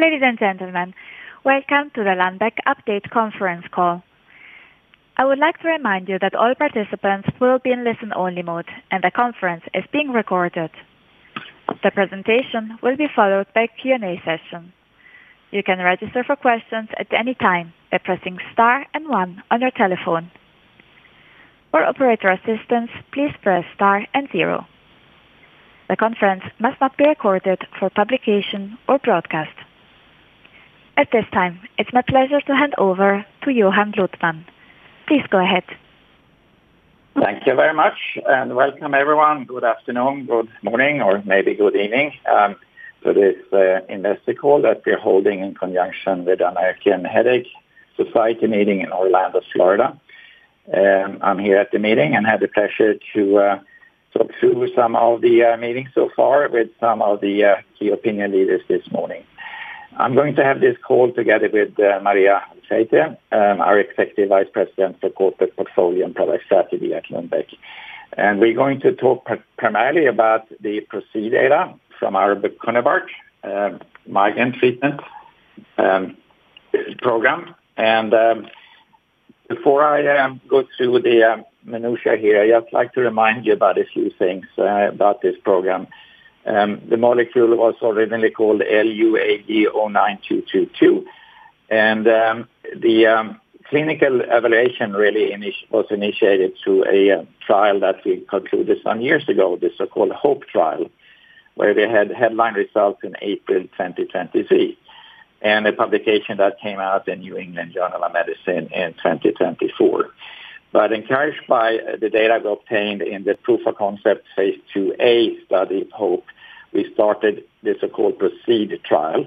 Ladies and gentlemen, welcome to the Lundbeck Update Conference Call. I would like to remind you that all participants will be in listen-only mode, and the conference is being recorded. The presentation will be followed by a Q&A session. You can register for questions at any time by pressing star and one on your telephone. For operator assistance, please press star and zero. The conference must not be recorded for publication or broadcast. At this time, it's my pleasure to hand over to Johan Luthman. Please go ahead. Thank you very much, and welcome everyone. Good afternoon, good morning, or maybe good evening to this investor call that we're holding in conjunction with American Headache Society meeting in Orlando, Florida. I'm here at the meeting and had the pleasure to talk through some of the meetings so far with some of the key opinion leaders this morning. I'm going to have this call together with Maria Alfaiate, our Executive Vice President for Corporate Portfolio and Product Strategy at Lundbeck. We're going to talk primarily about the PROCEED data from our bocunebart migraine treatment program. Before I go through the minutiae here, I'd just like to remind you about a few things about this program. The molecule was originally called Lu AG09222, and the clinical evaluation really was initiated through a trial that we concluded some years ago, the so-called HOPE trial, where we had headline results in April 2023, and a publication that came out in New England Journal of Medicine in 2024. Encouraged by the data we obtained in the proof of concept phase II-A study HOPE, we started the so-called PROCEED trial,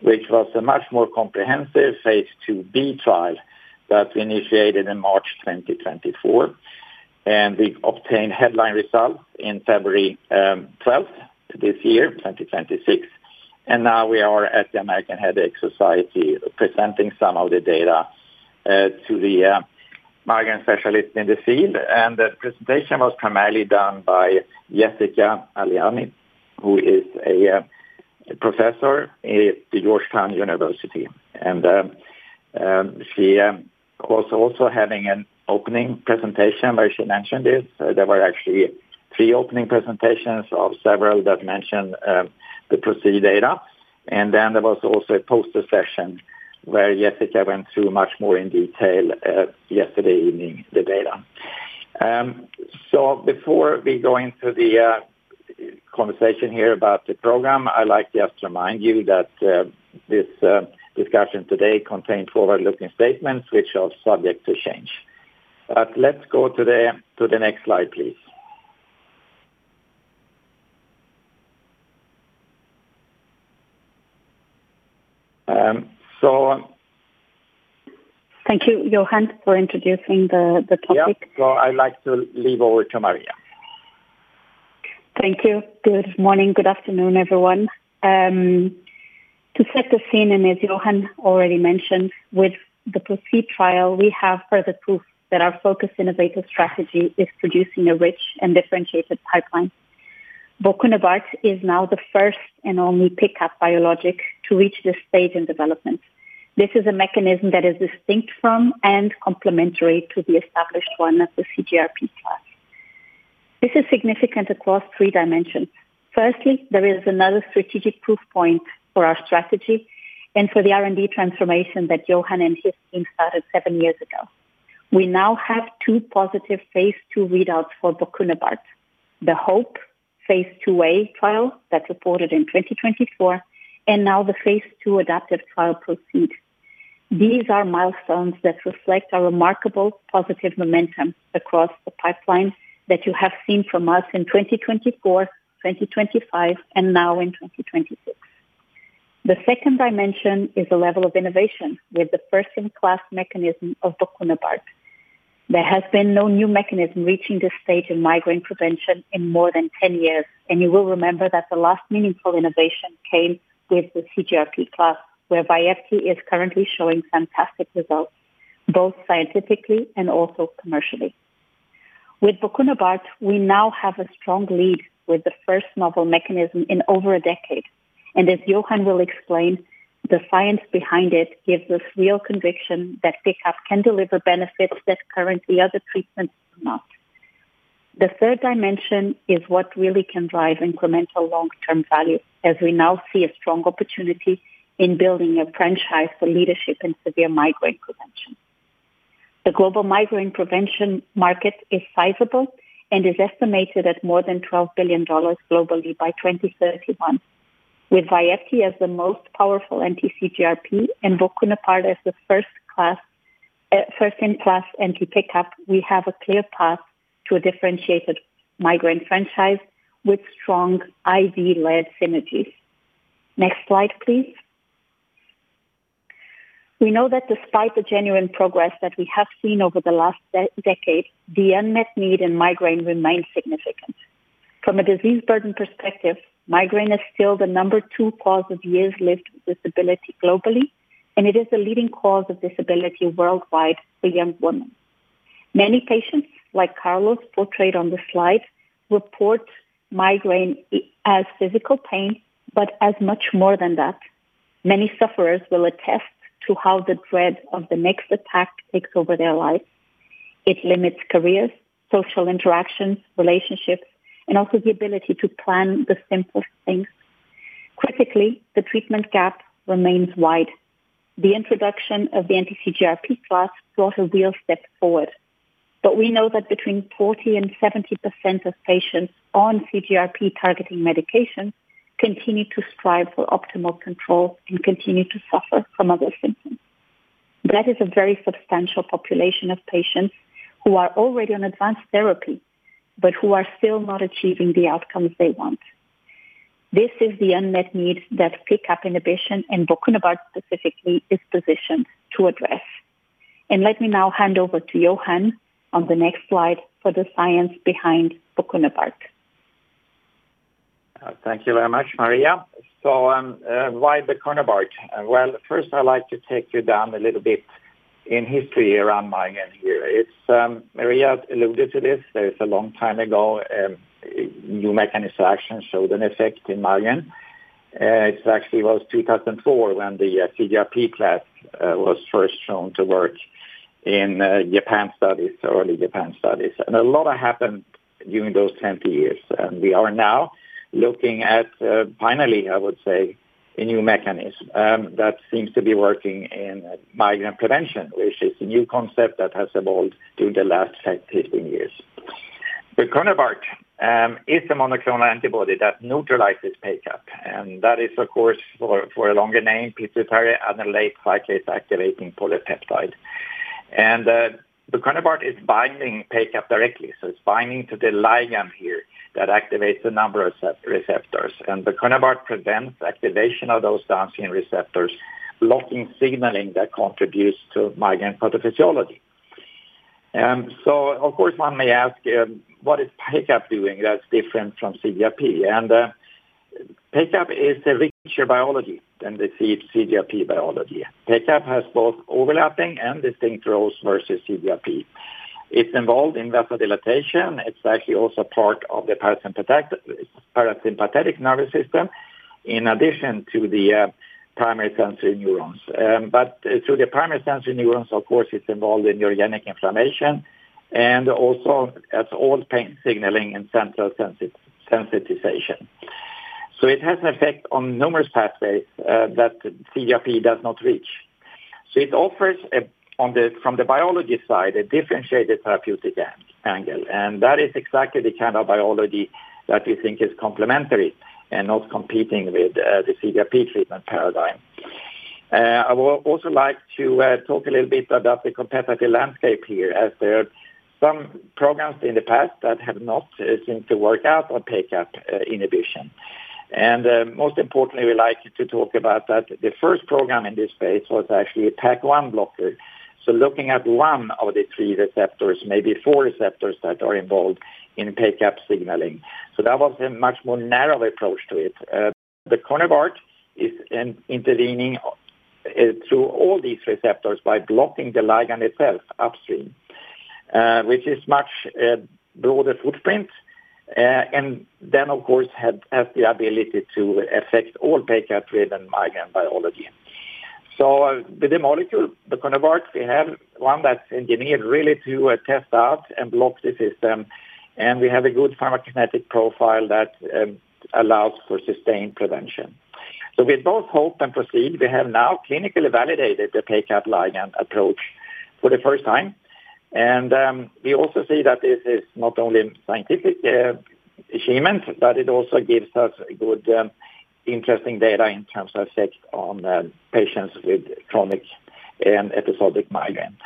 which was a much more comprehensive phase II-B trial that we initiated in March 2024, and we obtained headline results in February 12th this year, 2026. Now we are at the American Headache Society presenting some of the data to the migraine specialists in the field. The presentation was primarily done by Jessica Ailani, who is a Professor at Georgetown University. She was also having an opening presentation where she mentioned it. There were actually three opening presentations of several that mentioned the PROCEED data. Then there was also a poster session where Jessica went through much more in detail yesterday evening, the data. Before we go into the conversation here about the program, I'd like just to remind you that this discussion today contains forward-looking statements which are subject to change. Let's go to the next slide, please. Thank you, Johan, for introducing the topic. Yeah. I'd like to leave over to Maria. Thank you. Good morning. Good afternoon, everyone. To set the scene, and as Johan already mentioned, with the PROCEED trial, we have further proof that our focused innovative strategy is producing a rich and differentiated pipeline. Bocunebart is now the first and only PACAP biologic to reach this stage in development. This is a mechanism that is distinct from and complementary to the established one of the CGRP class. This is significant across three dimensions. Firstly, there is another strategic proof point for our strategy and for the R&D transformation that Johan and his team started seven years ago. We now have two positive phase II readouts for bocunebart, the HOPE phase II-A trial that reported in 2024 and now the phase II adaptive trial PROCEED. These are milestones that reflect a remarkable positive momentum across the pipeline that you have seen from us in 2024, 2025, and now in 2026. The second dimension is the level of innovation with the first-in-class mechanism of bocunebart. There has been no new mechanism reaching this stage in migraine prevention in more than 10 years. You will remember that the last meaningful innovation came with the CGRP class, where VYEPTI is currently showing fantastic results, both scientifically and also commercially. With bocunebart, we now have a strong lead with the first novel mechanism in over a decade. As Johan will explain, the science behind it gives us real conviction that PACAP can deliver benefits that currently other treatments do not. The third dimension is what really can drive incremental long-term value, as we now see a strong opportunity in building a franchise for leadership in severe migraine prevention. The global migraine prevention market is sizable and is estimated at more than $12 billion globally by 2031. With VYEPTI as the most powerful anti-CGRP and bocunebart as the first-in-class anti-PACAP, we have a clear path to a differentiated migraine franchise with strong IV-led synergies. Next slide, please. We know that despite the genuine progress that we have seen over the last decade, the unmet need in migraine remains significant. From a disease burden perspective, migraine is still the number two cause of years lived with disability globally, and it is the leading cause of disability worldwide for young women. Many patients like Carlos, portrayed on the slide, report migraine as physical pain, but as much more than that. Many sufferers will attest to how the dread of the next attack takes over their life. It limits careers, social interactions, relationships, and also the ability to plan the simplest things. Critically, the treatment gap remains wide. The introduction of the anti-CGRP class was a real step forward. We know that between 40% and 70% of patients on CGRP-targeting medication continue to strive for optimal control and continue to suffer from other symptoms. That is a very substantial population of patients who are already on advanced therapy, but who are still not achieving the outcomes they want. This is the unmet need that PACAP inhibition, and bocunebart specifically, is positioned to address. Let me now hand over to Johan on the next slide for the science behind bocunebart. Thank you very much, Maria. Why bocunebart? Well, first I like to take you down a little bit in history around migraine here. Maria alluded to this. There is a long time ago, a new mechanism of action showed an effect in migraine. It actually was 2004 when the CGRP class was first shown to work in early gepant studies. A lot has happened during those 20 years. We are now looking at, finally, I would say, a new mechanism that seems to be working in migraine prevention, which is a new concept that has evolved during the last 10-15 years. Bocunebart is a monoclonal antibody that neutralizes PACAP, and that is, of course, for a longer name, pituitary adenylate cyclase-activating polypeptide. Bocunebart is binding PACAP directly. It's binding to the ligand here that activates a number of receptors. Bocunebart prevents activation of those downstream receptors, blocking signaling that contributes to migraine pathophysiology. Of course, one may ask, what is PACAP doing that's different from CGRP? PACAP is a richer biology than the CGRP biology. PACAP has both overlapping and distinct roles versus CGRP. It's involved in vasodilation. It's actually also part of the parasympathetic nervous system, in addition to the primary sensory neurons. Through the primary sensory neurons, of course, it's involved in neurogenic inflammation and also as all pain signaling and central sensitization. It has an effect on numerous pathways that CGRP does not reach. It offers, from the biology side, a differentiated therapeutic angle, and that is exactly the kind of biology that we think is complementary and not competing with the CGRP treatment paradigm. I would also like to talk a little bit about the competitive landscape here, as there are some programs in the past that have not seemed to work out on PACAP inhibition. Most importantly, we like to talk about that the first program in this space was actually a PAC1 blocker. Looking at one of the three receptors, maybe four receptors that are involved in PACAP signaling. That was a much more narrow approach to it. Bocunebart is intervening through all these receptors by blocking the ligand itself upstream, which is much broader footprint, and then, of course, has the ability to affect all PACAP-driven migraine biology. With the molecule, bocunebart, we have one that's engineered really to test out and block the system, and we have a good pharmacokinetic profile that allows for sustained prevention. With both HOPE and PROCEED, we have now clinically validated the PACAP ligand approach for the first time. We also see that this is not only a scientific achievement, but it also gives us good, interesting data in terms of effect on patients with chronic and episodic migraine.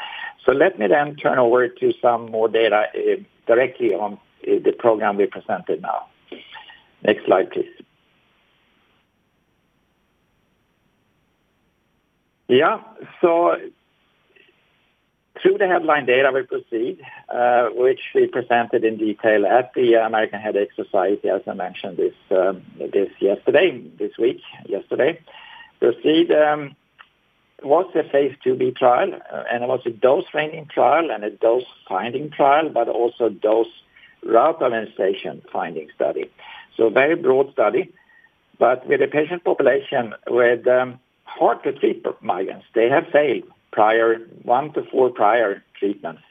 Let me then turn over to some more data directly on the program we presented now. Next slide, please. Through the headline data, PROCEED, which we presented in detail at the American Headache Society, as I mentioned this week, yesterday. PROCEED was a phase II-B trial. It was a dose-ranging trial and a dose-finding trial, also dose rationalization finding study. Very broad study with a patient population with hard-to-treat migraines. They have failed one to four prior treatments.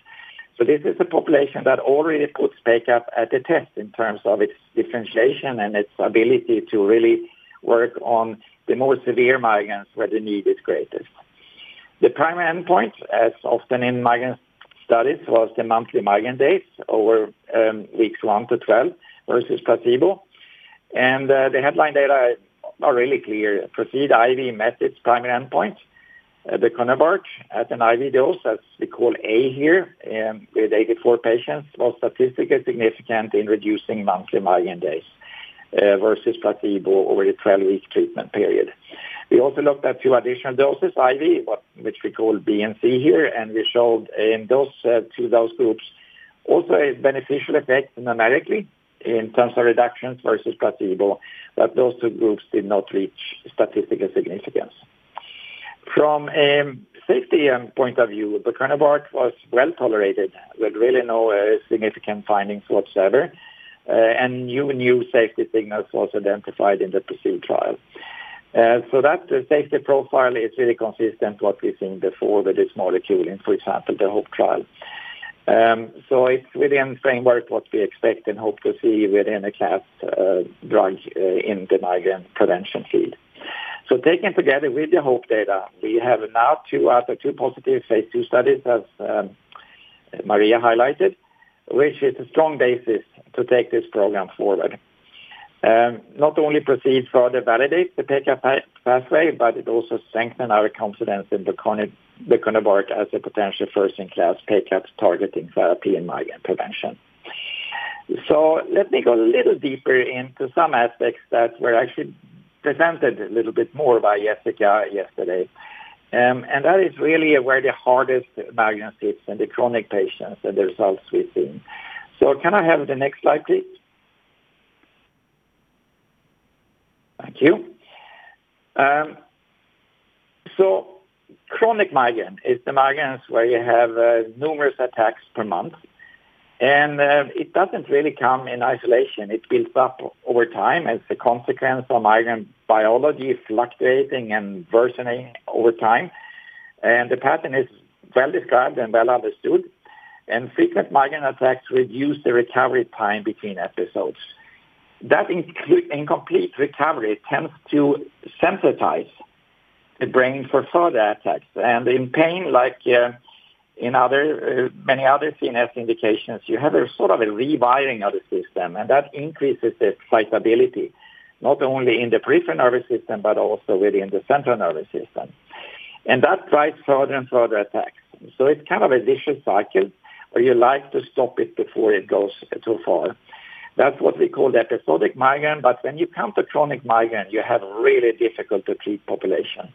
This is a population that already puts PACAP at the test in terms of its differentiation and its ability to really work on the more severe migraines where the need is greatest. The primary endpoint, as often in migraine studies, was the monthly migraine days over weeks 1 to 12 versus placebo. The headline data are really clear. PROCEED IV met its primary endpoint. bocunebart at an IV dose, as we call A here, with 84 patients, was statistically significant in reducing monthly migraine days versus placebo over a 12-week treatment period. We also looked at two additional doses IV, which we call B and C here. We showed in those two dose groups also a beneficial effect numerically in terms of reductions versus placebo. Those two groups did not reach statistical significance. From a safety point of view, bocunebart was well-tolerated with really no significant findings whatsoever. New safety signals was identified in the PROCEED trial. That safety profile is really consistent what we've seen before with this molecule in, for example, the HOPE trial. It's within the framework what we expect and hope to see within a class drug in the migraine prevention field. Taken together with the HOPE data, we have now two out of two positive phase II studies, as Maria highlighted, which is a strong basis to take this program forward. Not only PROCEED further validates the PACAP pathway, but it also strengthen our confidence in bocunebart as a potential first-in-class PACAP targeting therapy in migraine prevention. Let me go a little deeper into some aspects that were actually presented a little bit more by Jessica yesterday. That is really where the hardest migraine sits in the chronic patients and the results we've seen. Can I have the next slide, please? Thank you. Chronic migraine is the migraines where you have numerous attacks per month, and it doesn't really come in isolation. It builds up over time as a consequence of migraine biology fluctuating and worsening over time, and the pattern is well-described and well-understood. Frequent migraine attacks reduce the recovery time between episodes. That incomplete recovery tends to sensitize the brain for further attacks, and in pain like in many other CNS indications, you have a sort of a rewiring of the system, and that increases its excitability, not only in the peripheral nervous system, but also within the central nervous system. That drives further and further attacks. It's kind of a vicious cycle where you like to stop it before it goes too far. That's what we call the episodic migraine, but when you come to chronic migraine, you have really difficult to treat population.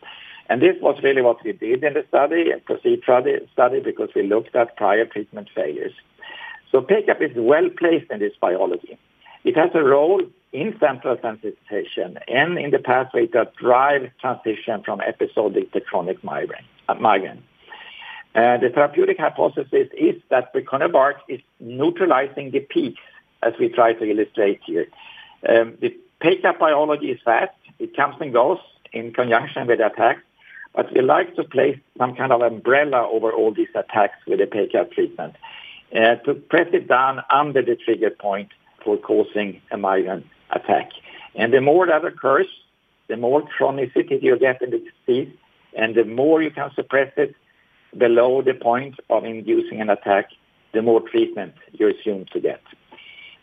This was really what we did in the study, in PROCEED study, because we looked at prior treatment failures. PACAP is well-placed in this biology. It has a role in central sensitization and in the pathway that drive transition from episodic to chronic migraine. The therapeutic hypothesis is that bocunebart is neutralizing the PACAP, as we try to illustrate here. The PACAP biology is that it comes and goes in conjunction with the attack, we like to place some kind of umbrella over all these attacks with a PACAP treatment to press it down under the trigger point for causing a migraine attack. The more that occurs, the more chronicity you get in the disease, and the more you can suppress it below the point of inducing an attack, the more treatment you're soon to get.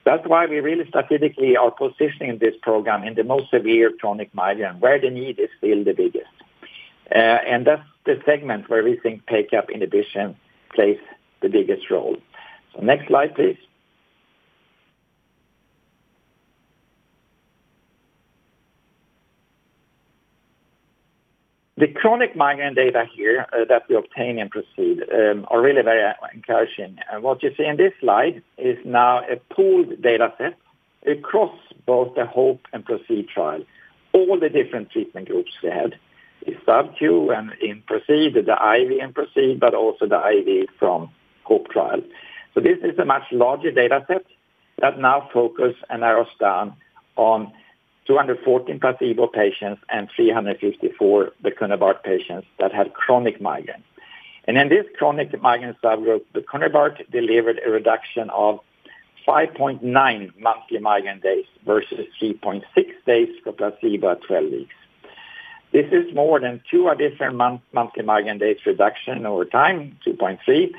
That's why we really strategically are positioning this program in the most severe chronic migraine, where the need is still the biggest. That's the segment where we think PACAP inhibition plays the biggest role. Next slide, please. The chronic migraine data here that we obtain in PROCEED are really very encouraging. What you see in this slide is now a pooled data set across both the HOPE and PROCEED trial. All the different treatment groups we had, the sub-Q in PROCEED, the IV in PROCEED, but also the IV from HOPE trial. This is a much larger data set that now focus and narrows down on 214 placebo patients and 354 bocunebart patients that had chronic migraine. In this chronic migraine subgroup, bocunebart delivered a reduction of 5.9 monthly migraine days versus 3.6 days for placebo at 12 weeks. This is more than two additional monthly migraine days reduction over time, 2.3,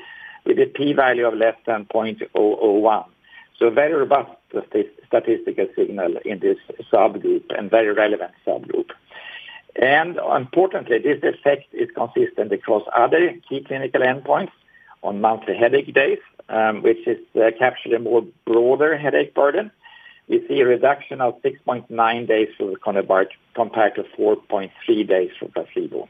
with a p value of less than 0.001. A very robust statistical signal in this subgroup and very relevant subgroup. Importantly, this effect is consistent across other key clinical endpoints on monthly headache days, which is capturing a more broader headache burden. We see a reduction of 6.9 days for bocunebart compared to 4.3 days for placebo.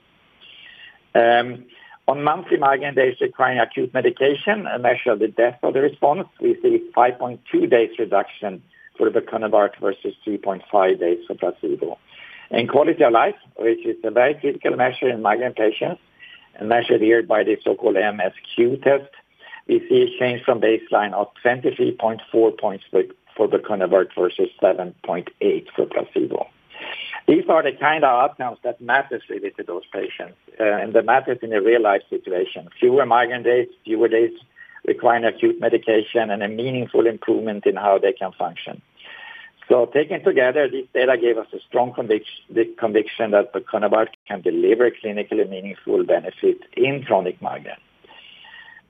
On monthly migraine days requiring acute medication, a measure of the depth of the response, we see 5.2 days reduction for the bocunebart versus 3.5 days for placebo. In quality of life, which is a very critical measure in migraine patients, measured here by the so-called MSQ test, we see a change from baseline of 23.4 points for the bocunebart versus 7.8 for placebo. These are the kind of outcomes that matters really to those patients, and that matters in a real-life situation. Fewer migraine days, fewer days requiring acute medication, and a meaningful improvement in how they can function. Taken together, this data gave us a strong conviction that bocunebart can deliver clinically meaningful benefit in chronic migraine.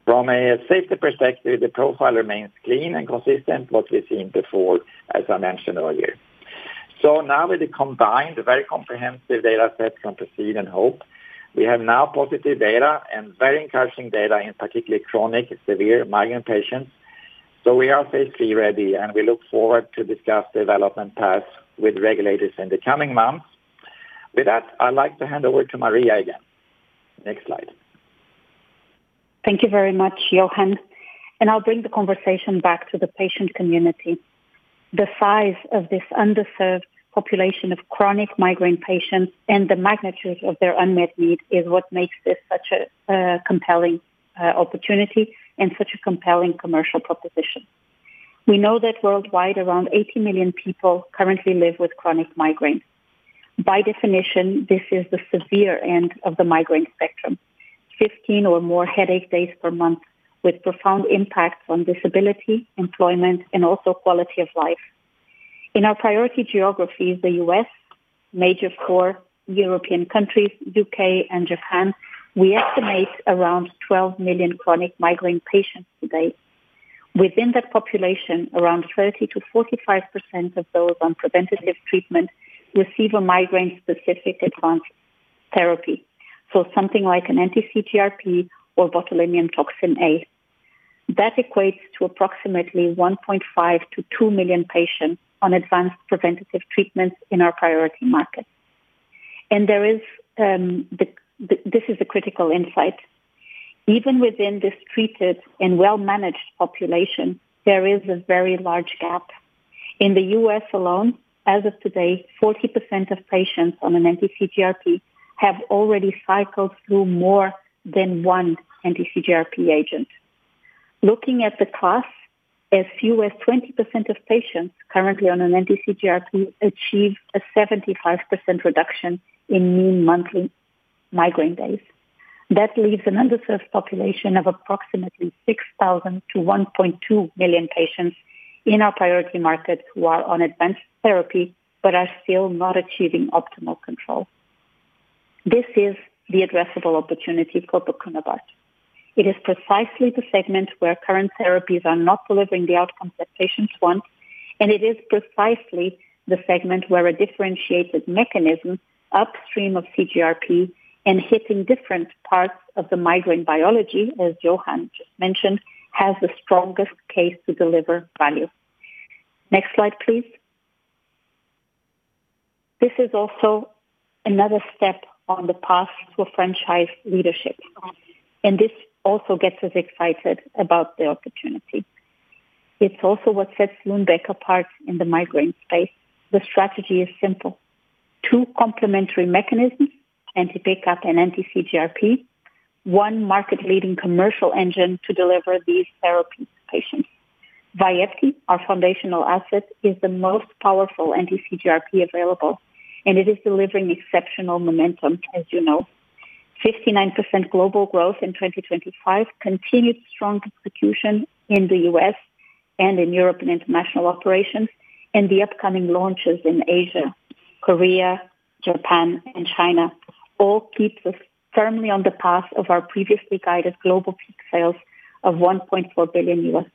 From a safety perspective, the profile remains clean and consistent, what we've seen before, as I mentioned earlier. Now with the combined very comprehensive data set from PROCEED and HOPE, we have now positive data and very encouraging data in particularly chronic severe migraine patients. We are basically ready, and we look forward to discuss development paths with regulators in the coming months. With that, I'd like to hand over to Maria again. Next slide. Thank you very much, Johan. I'll bring the conversation back to the patient community. The size of this underserved population of chronic migraine patients and the magnitude of their unmet need is what makes this such a compelling opportunity and such a compelling commercial proposition. We know that worldwide, around 80 million people currently live with chronic migraine. By definition, this is the severe end of the migraine spectrum. 15 or more headache days per month with profound impacts on disability, employment, and also quality of life. In our priority geographies, the U.S., major core European countries, U.K., and Japan, we estimate around 12 million chronic migraine patients to-date. Within that population, around 30%-45% of those on preventative treatment receive a migraine-specific advanced therapy. Something like an anti-CGRP or botulinum toxin A. That equates to approximately 1.5 million-2 million patients on advanced preventative treatments in our priority markets. This is a critical insight. Even within this treated and well-managed population, there is a very large gap. In the U.S. alone, as of today, 40% of patients on an anti-CGRP have already cycled through more than one anti-CGRP agent. Looking at the class, as few as 20% of patients currently on an anti-CGRP achieve a 75% reduction in mean monthly migraine days. That leaves an underserved population of approximately 6,000-1.2 million patients in our priority market who are on advanced therapy but are still not achieving optimal control. This is the addressable opportunity for bocunebart. It is precisely the segment where current therapies are not delivering the outcomes that patients want, and it is precisely the segment where a differentiated mechanism upstream of CGRP and hitting different parts of the migraine biology, as Johan just mentioned, has the strongest case to deliver value. Next slide, please. This is also another step on the path to franchise leadership, and this also gets us excited about the opportunity. It's also what sets Lundbeck apart in the migraine space. The strategy is simple. Two complementary mechanisms, anti-PACAP and anti-CGRP. One market-leading commercial engine to deliver these therapies to patients. VYEPTI, our foundational asset, is the most powerful anti-CGRP available, and it is delivering exceptional momentum as you know. 59% global growth in 2025, continued strong execution in the U.S. and in Europe and international operations, and the upcoming launches in Asia, Korea, Japan, and China all keeps us firmly on the path of our previously guided global peak sales of $1.4 billion.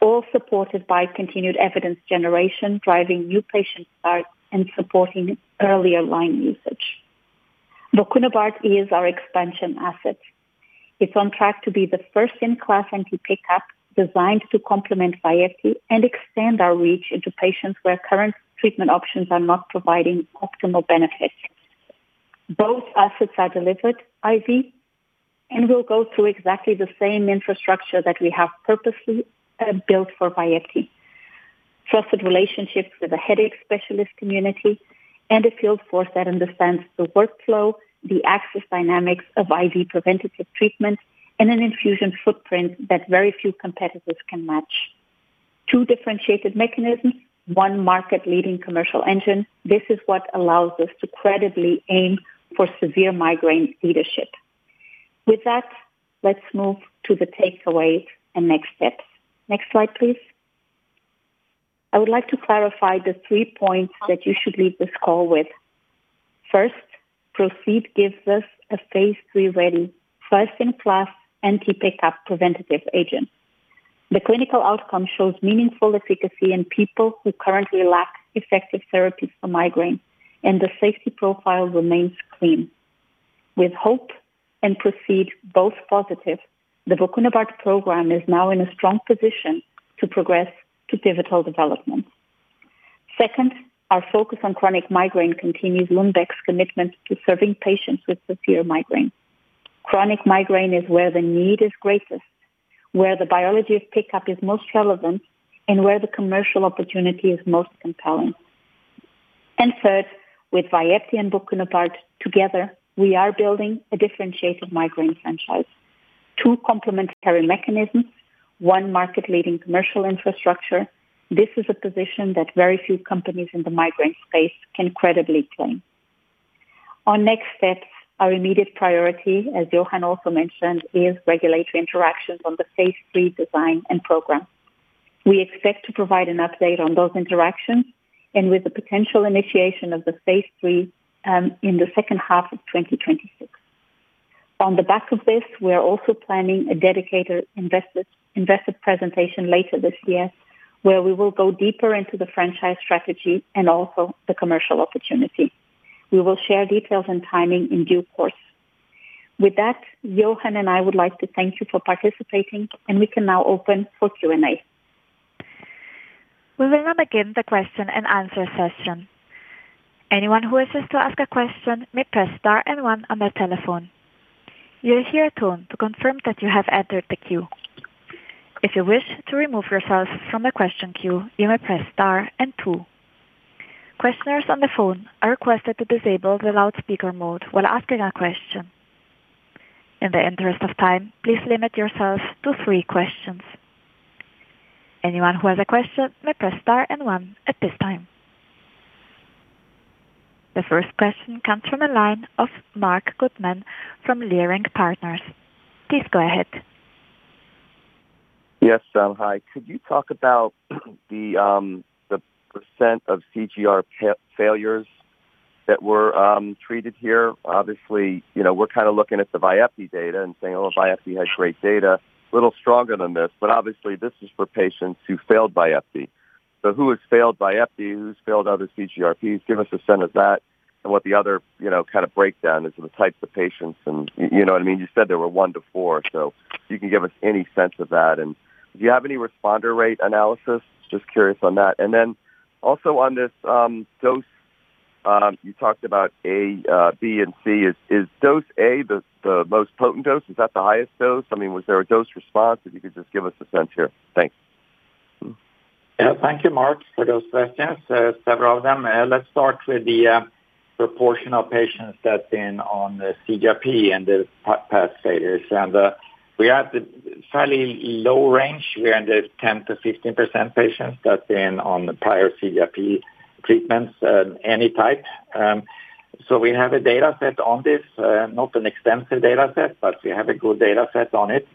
All supported by continued evidence generation, driving new patient starts, and supporting earlier line usage. Bocunebart is our expansion asset. It's on track to be the first-in-class anti-PACAP designed to complement VYEPTI and extend our reach into patients where current treatment options are not providing optimal benefits. Both assets are delivered IV and will go through exactly the same infrastructure that we have purposely built for VYEPTI. Trusted relationships with the headache specialist community and a field force that understands the workflow, the access dynamics of IV preventative treatment, and an infusion footprint that very few competitors can match. Two differentiated mechanisms, one market-leading commercial engine. This is what allows us to credibly aim for severe migraine leadership. With that, let's move to the takeaways and next steps. Next slide, please. I would like to clarify the three points that you should leave this call with. First, PROCEED gives us a phase III-ready, first-in-class anti-PACAP preventative agent. The clinical outcome shows meaningful efficacy in people who currently lack effective therapies for migraine, and the safety profile remains clean. With HOPE and PROCEED both positive, the bocunebart program is now in a strong position to progress to pivotal development. Second, our focus on chronic migraine continues Lundbeck's commitment to serving patients with severe migraine. Chronic migraine is where the need is greatest, where the biology of PACAP is most relevant, and where the commercial opportunity is most compelling. Third, with VYEPTI and bocunebart together, we are building a differentiated migraine franchise. Two complementary mechanisms, one market-leading commercial infrastructure. This is a position that very few companies in the migraine space can credibly claim. Our next steps, our immediate priority, as Johan also mentioned, is regulatory interactions on the phase III design and program. We expect to provide an update on those interactions and with the potential initiation of the phase III, in the second half of 2026. On the back of this, we are also planning a dedicated investor presentation later this year where we will go deeper into the franchise strategy and also the commercial opportunity. We will share details and timing in due course. With that, Johan and I would like to thank you for participating, and we can now open for Q&A. We will now begin the question-and-answer session. Anyone who wishes to ask a question may press star and one on their telephone. You'll hear a tone to confirm that you have entered the queue. If you wish to remove yourself from the question queue, you may press star and two. Questioners on the phone are requested to disable the loudspeaker mode while asking a question. In the interest of time, please limit yourselves to three questions. Anyone who has a question may press star and one at this time. The first question comes from the line of Marc Goodman from Leerink Partners. Please go ahead. Yes, hi. Could you talk about the percent of CGRP failures that were treated here? Obviously, we're looking at the VYEPTI data and saying, oh, VYEPTI has great data, little stronger than this. Obviously, this is for patients who failed VYEPTI. Who has failed VYEPTI, who's failed other CGRPs? Give us a sense of that, what the other kind of breakdown is of the types of patients. You know what I mean? You said there were one to four. If you can give us any sense of that. Do you have any responder rate analysis? Just curious on that. Also on this dose, you talked about A, B, and C. Is dose A the most potent dose? Is that the highest dose? Was there a dose response? If you could just give us a sense here. Thanks. Yeah, thank you, Marc, for those questions, several of them. Let's start with the proportion of patients that's been on the CGRP and the past failures. We're at the fairly low range. We're under 10%-15% patients that's been on the prior CGRP treatments, any type. We have a data set on this, not an extensive data set, but we have a good data set on it.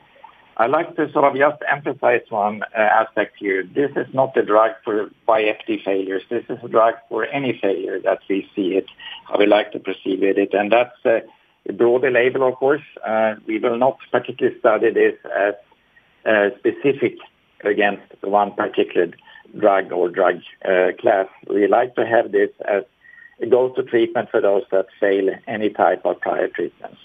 I like to just emphasize one aspect here. This is not a drug for VYEPTI failures. This is a drug for any failure that we see it, how we like to perceive it. That's a broader label, of course. We will not particularly study this as specific against one particular drug or drug class. We like to have this as a go-to treatment for those that fail any type of prior treatments.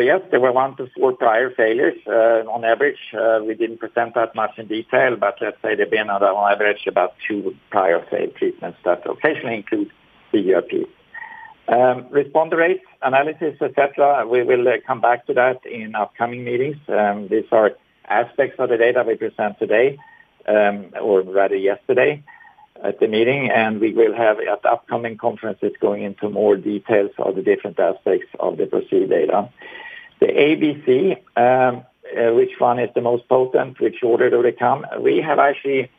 Yes, there were one to four prior failures on average. We didn't present that much in detail, but let's say there'd be another one average about two prior failed treatments that occasionally include CGRP. Responder rates, analysis, et cetera, we will come back to that in upcoming meetings. These are aspects of the data we present today, or rather yesterday at the meeting. We will have at upcoming conferences going into more details of the different aspects of the PROCEED data. The A, B, C, which one is the most potent, which order do they come, we have actually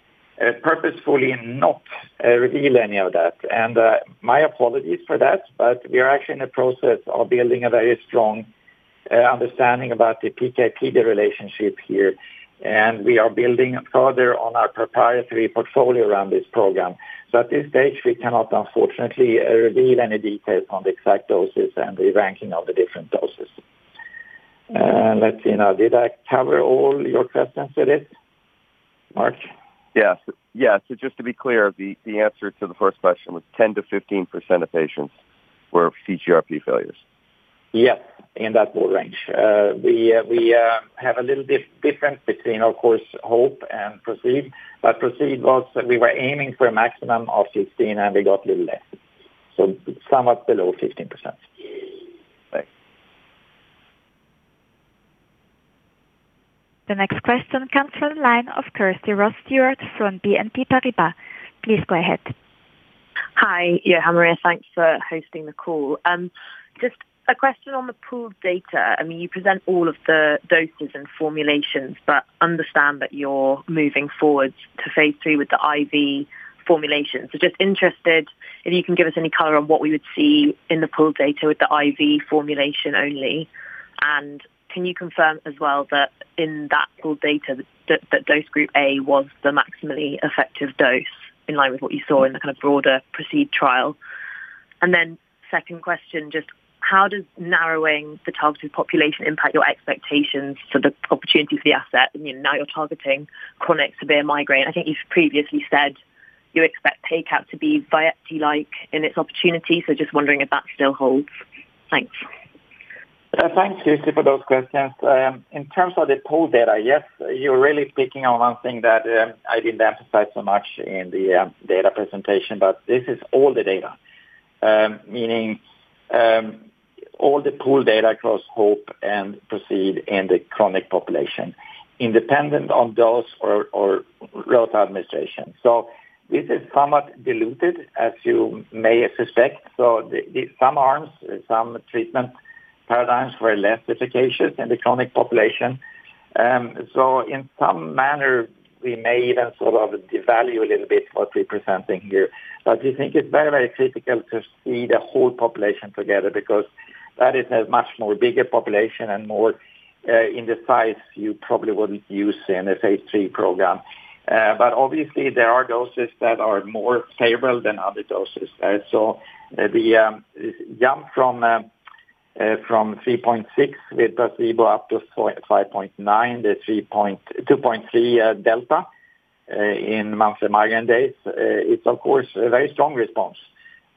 purposefully not revealed any of that. My apologies for that, but we are actually in the process of building a very strong understanding about the PK/PD relationship here. We are building further on our proprietary portfolio around this program. At this stage, we cannot, unfortunately, reveal any details on the exact doses and the ranking of the different doses. Let's see now. Did I cover all your questions with it, Marc? Yes. Just to be clear, the answer to the first question was 10%-15% of patients were CGRP failures? Yes, in that ball range. We have a little difference between, of course, HOPE and PROCEED. PROCEED was we were aiming for a maximum of 15%, and we got a little less. Somewhat below 15%. Thanks. The next question comes from the line of Kirsty Ross-Stewart from BNP Paribas. Please go ahead. Hi. Johan, Maria, thanks for hosting the call. Just a question on the pooled data. You present all of the doses and formulations but understand that you're moving forward to phase III with the IV formulation. Just interested if you can give us any color on what we would see in the pooled data with the IV formulation only. Can you confirm as well that in that pooled data, that dose group A was the maximally effective dose in line with what you saw in the kind of broader PROCEED trial? Second question, just how does narrowing the targeted population impact your expectations for the opportunity for the asset? Now you're targeting chronic severe migraine. I think you've previously said you expect takeup to be VYEPTI-like in its opportunity. Just wondering if that still holds. Thanks. Thanks, Kirsty, for those questions. In terms of the pooled data, yes, you're really picking on one thing that I didn't emphasize so much in the data presentation. This is all the data, meaning all the pooled data across HOPE and PROCEED in the chronic population, independent on dose or route of administration. This is somewhat diluted, as you may suspect. Some arms, some treatment paradigms were less efficacious in the chronic population. In some manner, we may even sort of devalue a little bit what we're presenting here. We think it's very, very critical to see the whole population together because that is a much more bigger population and more in the size you probably wouldn't use in a phase III program. Obviously, there are doses that are more favorable than other doses. The jump from 3.6 days with placebo up to 5.9 days, the 2.3 days delta in monthly migraine days is, of course, a very strong response.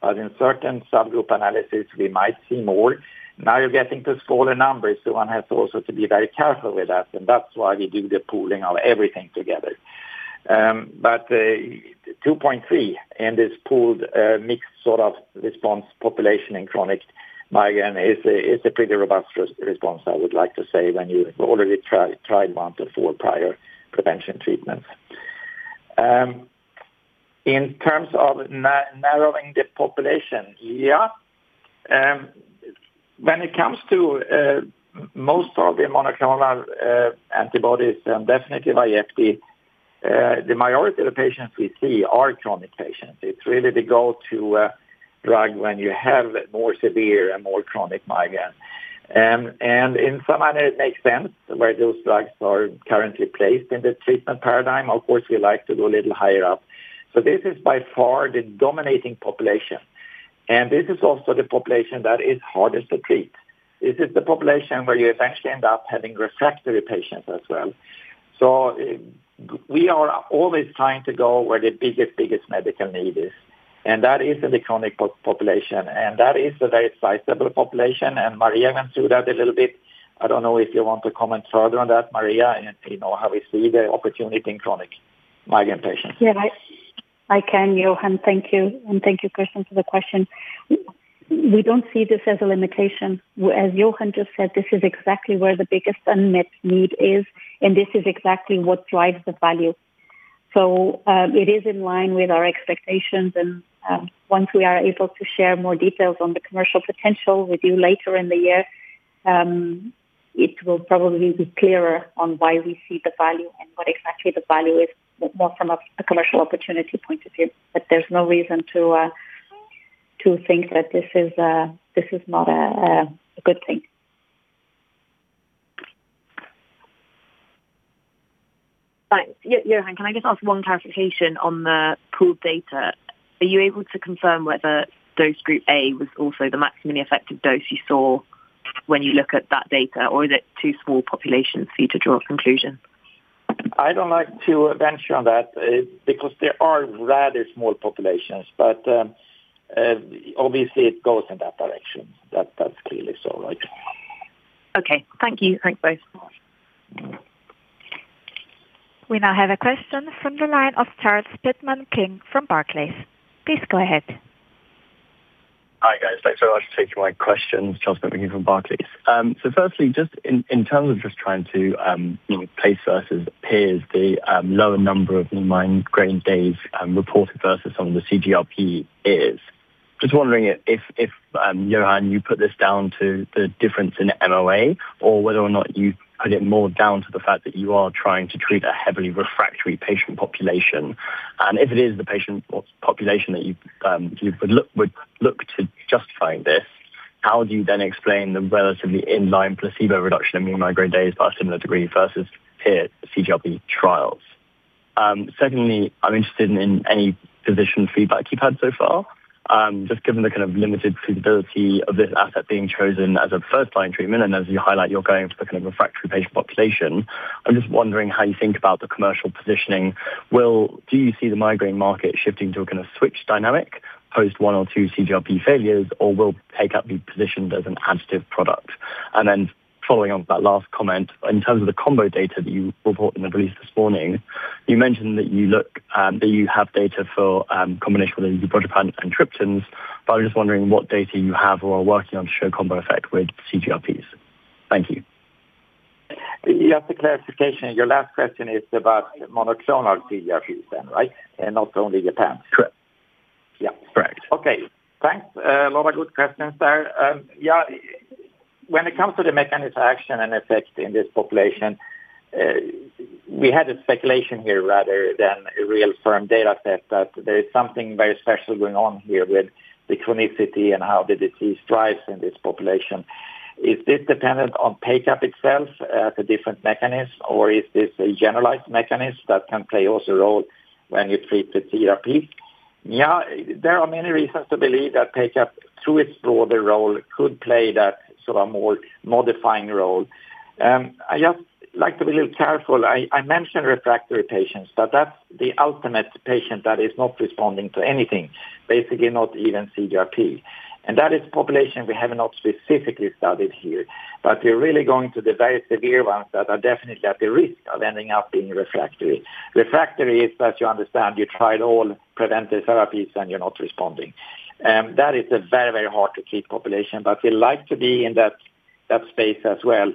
In certain subgroup analysis, we might see more. Now you're getting to smaller numbers, so one has also to be very careful with that, and that's why we do the pooling of everything together. 2.3 days in this pooled, mixed sort of response population in chronic migraine is a pretty robust response, I would like to say, when you already tried month or four prior prevention treatments. In terms of narrowing the population, yeah. When it comes to most of the monoclonal antibodies, definitely VYEPTI, the majority of the patients we see are chronic patients. It's really the go-to drug when you have more severe and more chronic migraine. In some way, it makes sense where those drugs are currently placed in the treatment paradigm. Of course, we like to go a little higher up. This is by far the dominating population. This is also the population that is hardest to treat. This is the population where you eventually end up having refractory patients as well. We are always trying to go where the biggest medical need is, and that is in the chronic population, and that is a very sizable population. Maria went through that a little bit. I don't know if you want to comment further on that, Maria, and how we see the opportunity in chronic migraine patients. Yeah. I can, Johan. Thank you. Thank you, Kirsty, for the question. We don't see this as a limitation. As Johan just said, this is exactly where the biggest unmet need is, and this is exactly what drives the value. It is in line with our expectations, and once we are able to share more details on the commercial potential with you later in the year, it will probably be clearer on why we see the value and what exactly the value is, more from a commercial opportunity point of view. There's no reason to think that this is not a good thing. Thanks. Johan, can I just ask one clarification on the pooled data? Are you able to confirm whether dose group A was also the maximum effective dose you saw when you look at that data, or is it too small population for you to draw a conclusion? I don't like to venture on that because they are rather small populations. Obviously, it goes in that direction. That's clearly so, right. Okay. Thank you. Thanks, both. We now have a question from the line of Charles Pitman-King from Barclays. Please go ahead. Hi, guys. Thanks so much for taking my questions. Charles Pitman-King from Barclays. Firstly, just in terms of just trying to place versus peers, the lower number of migraine days reported versus some of the CGRPs. Just wondering if, Johan, you put this down to the difference in MOA or whether or not you put it more down to the fact that you are trying to treat a heavily refractory patient population. If it is the patient population that you would look to justifying this, how do you then explain the relatively in-line placebo reduction in migraine days by a similar degree versus peer CGRP trials? Secondly, I'm interested in any physician feedback you've had so far. Just given the kind of limited feasibility of this asset being chosen as a first-line treatment, and as you highlight, you're going for the kind of refractory patient population. I'm just wondering how you think about the commercial positioning. Do you see the migraine market shifting to a kind of switch dynamic post one or two CGRP failures, or will take up be positioned as an additive product? Following on with that last comment, in terms of the combo data that you reported in the release this morning, you mentioned that you have data for combination with either ubrogepant and triptans. I'm just wondering what data you have or are working on to show combo effect with CGRPs. Thank you. Just a clarification. Your last question is about monoclonal CGRPs then, right? Not only your PACAP? Correct. Yeah. Correct. Okay. Thanks. A lot of good questions there. Yeah. When it comes to the mechanism action and effect in this population, we had a speculation here rather than a real firm data set that there is something very special going on here with the chronicity and how the disease thrives in this population. Is this dependent on PACAP itself at a different mechanism, or is this a generalized mechanism that can play also a role when you treat the CGRP? Yeah, there are many reasons to believe that PACAP, through its broader role, could play that sort of more modifying role. I just like to be a little careful. I mentioned refractory patients, that's the ultimate patient that is not responding to anything. Basically, not even CGRP. That is population we have not specifically studied here. We're really going to the very severe ones that are definitely at the risk of ending up being refractory. Refractory is that you understand you tried all preventive therapies, and you're not responding. That is a very hard-to-treat population, but we like to be in that space as well.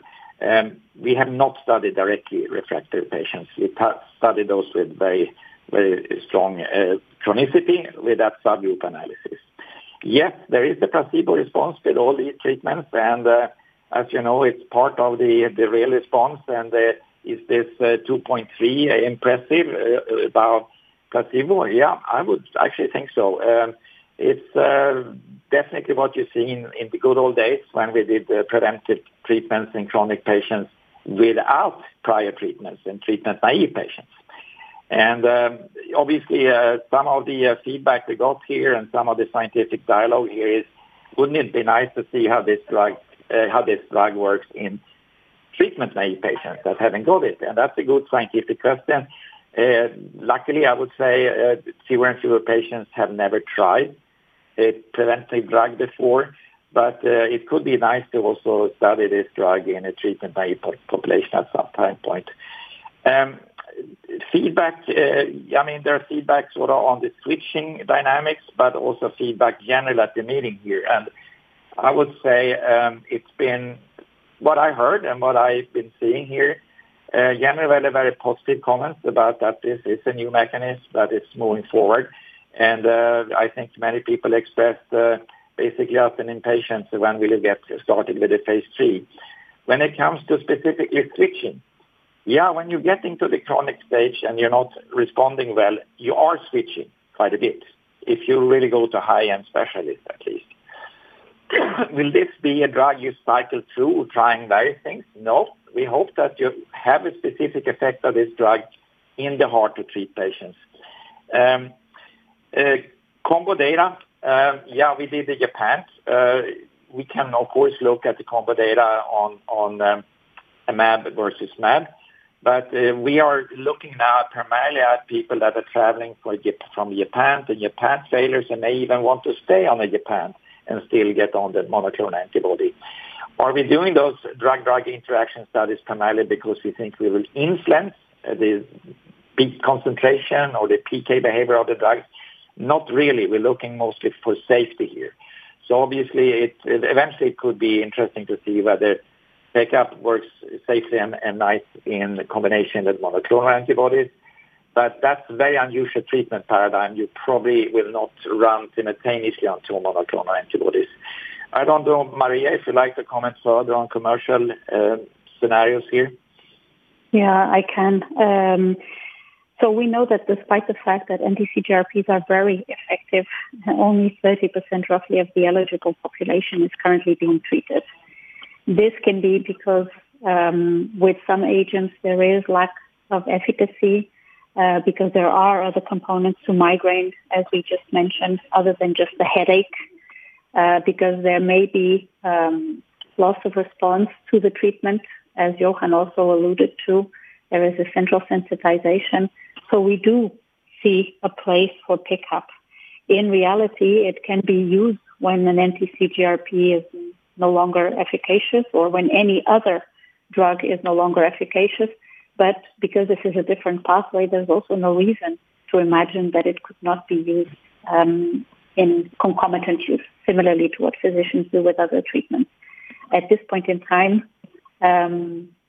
We have not studied directly refractory patients. We studied those with very strong chronicity with that subgroup analysis. Yes, there is the placebo response with all these treatments, and as you know, it's part of the real response. Is this 2.3 days impressive about placebo? Yeah, I would actually think so. It's definitely what you see in the good old days when we did preventive treatments in chronic patients without prior treatments in treatment-naive patients. Obviously, some of the feedback we got here and some of the scientific dialogue here is, wouldn't it be nice to see how this drug works in treatment-naive patients that haven't got it, and that's a good scientific question. Luckily, I would say CGRP patients have never tried a preventive drug before, it could be nice to also study this drug in a treatment-naive population at some time point. There are feedbacks on the switching dynamics, also feedback generally at the meeting here. I would say, from what I heard and what I've been seeing here, generally very positive comments about that this is a new mechanism, that it's moving forward. I think many people expressed basically often impatience when will we get started with the phase III. When it comes to specifically switching. Yeah, when you get into the chronic stage and you're not responding well, you are switching quite a bit, if you really go to high-end specialists at least. Will this be a drug you cycle through trying various things? No. We hope that you have a specific effect of this drug in the hard-to-treat patients. Combo data. Yeah, we did the gepant. We can, of course, look at the combo data on mAb versus mAb. We are looking now primarily at people that are traveling from gepant to gepant failures, and may even want to stay on the gepant and still get on the monoclonal antibody. Are we doing those drug-drug interaction studies primarily because we think we will influence the peak concentration or the PK behavior of the drug? Not really. We're looking mostly for safety here. Obviously, eventually it could be interesting to see whether PACAP works safely and nice in combination with monoclonal antibodies. That's a very unusual treatment paradigm. You probably will not run simultaneously on two monoclonal antibodies. I don't know, Maria, if you'd like to comment further on commercial scenarios here. I can. We know that despite the fact that anti-CGRPs are very effective, only 30% roughly of the eligible population is currently being treated. This can be because, with some agents, there is lack of efficacy because there are other components to migraine, as we just mentioned, other than just the headache, because there may be loss of response to the treatment, as Johan also alluded to. There is a central sensitization. We do see a place for PACAP. In reality, it can be used when an anti-CGRP is no longer efficacious or when any other drug is no longer efficacious. Because this is a different pathway, there's also no reason to imagine that it could not be used in concomitant use, similarly to what physicians do with other treatments. At this point in time,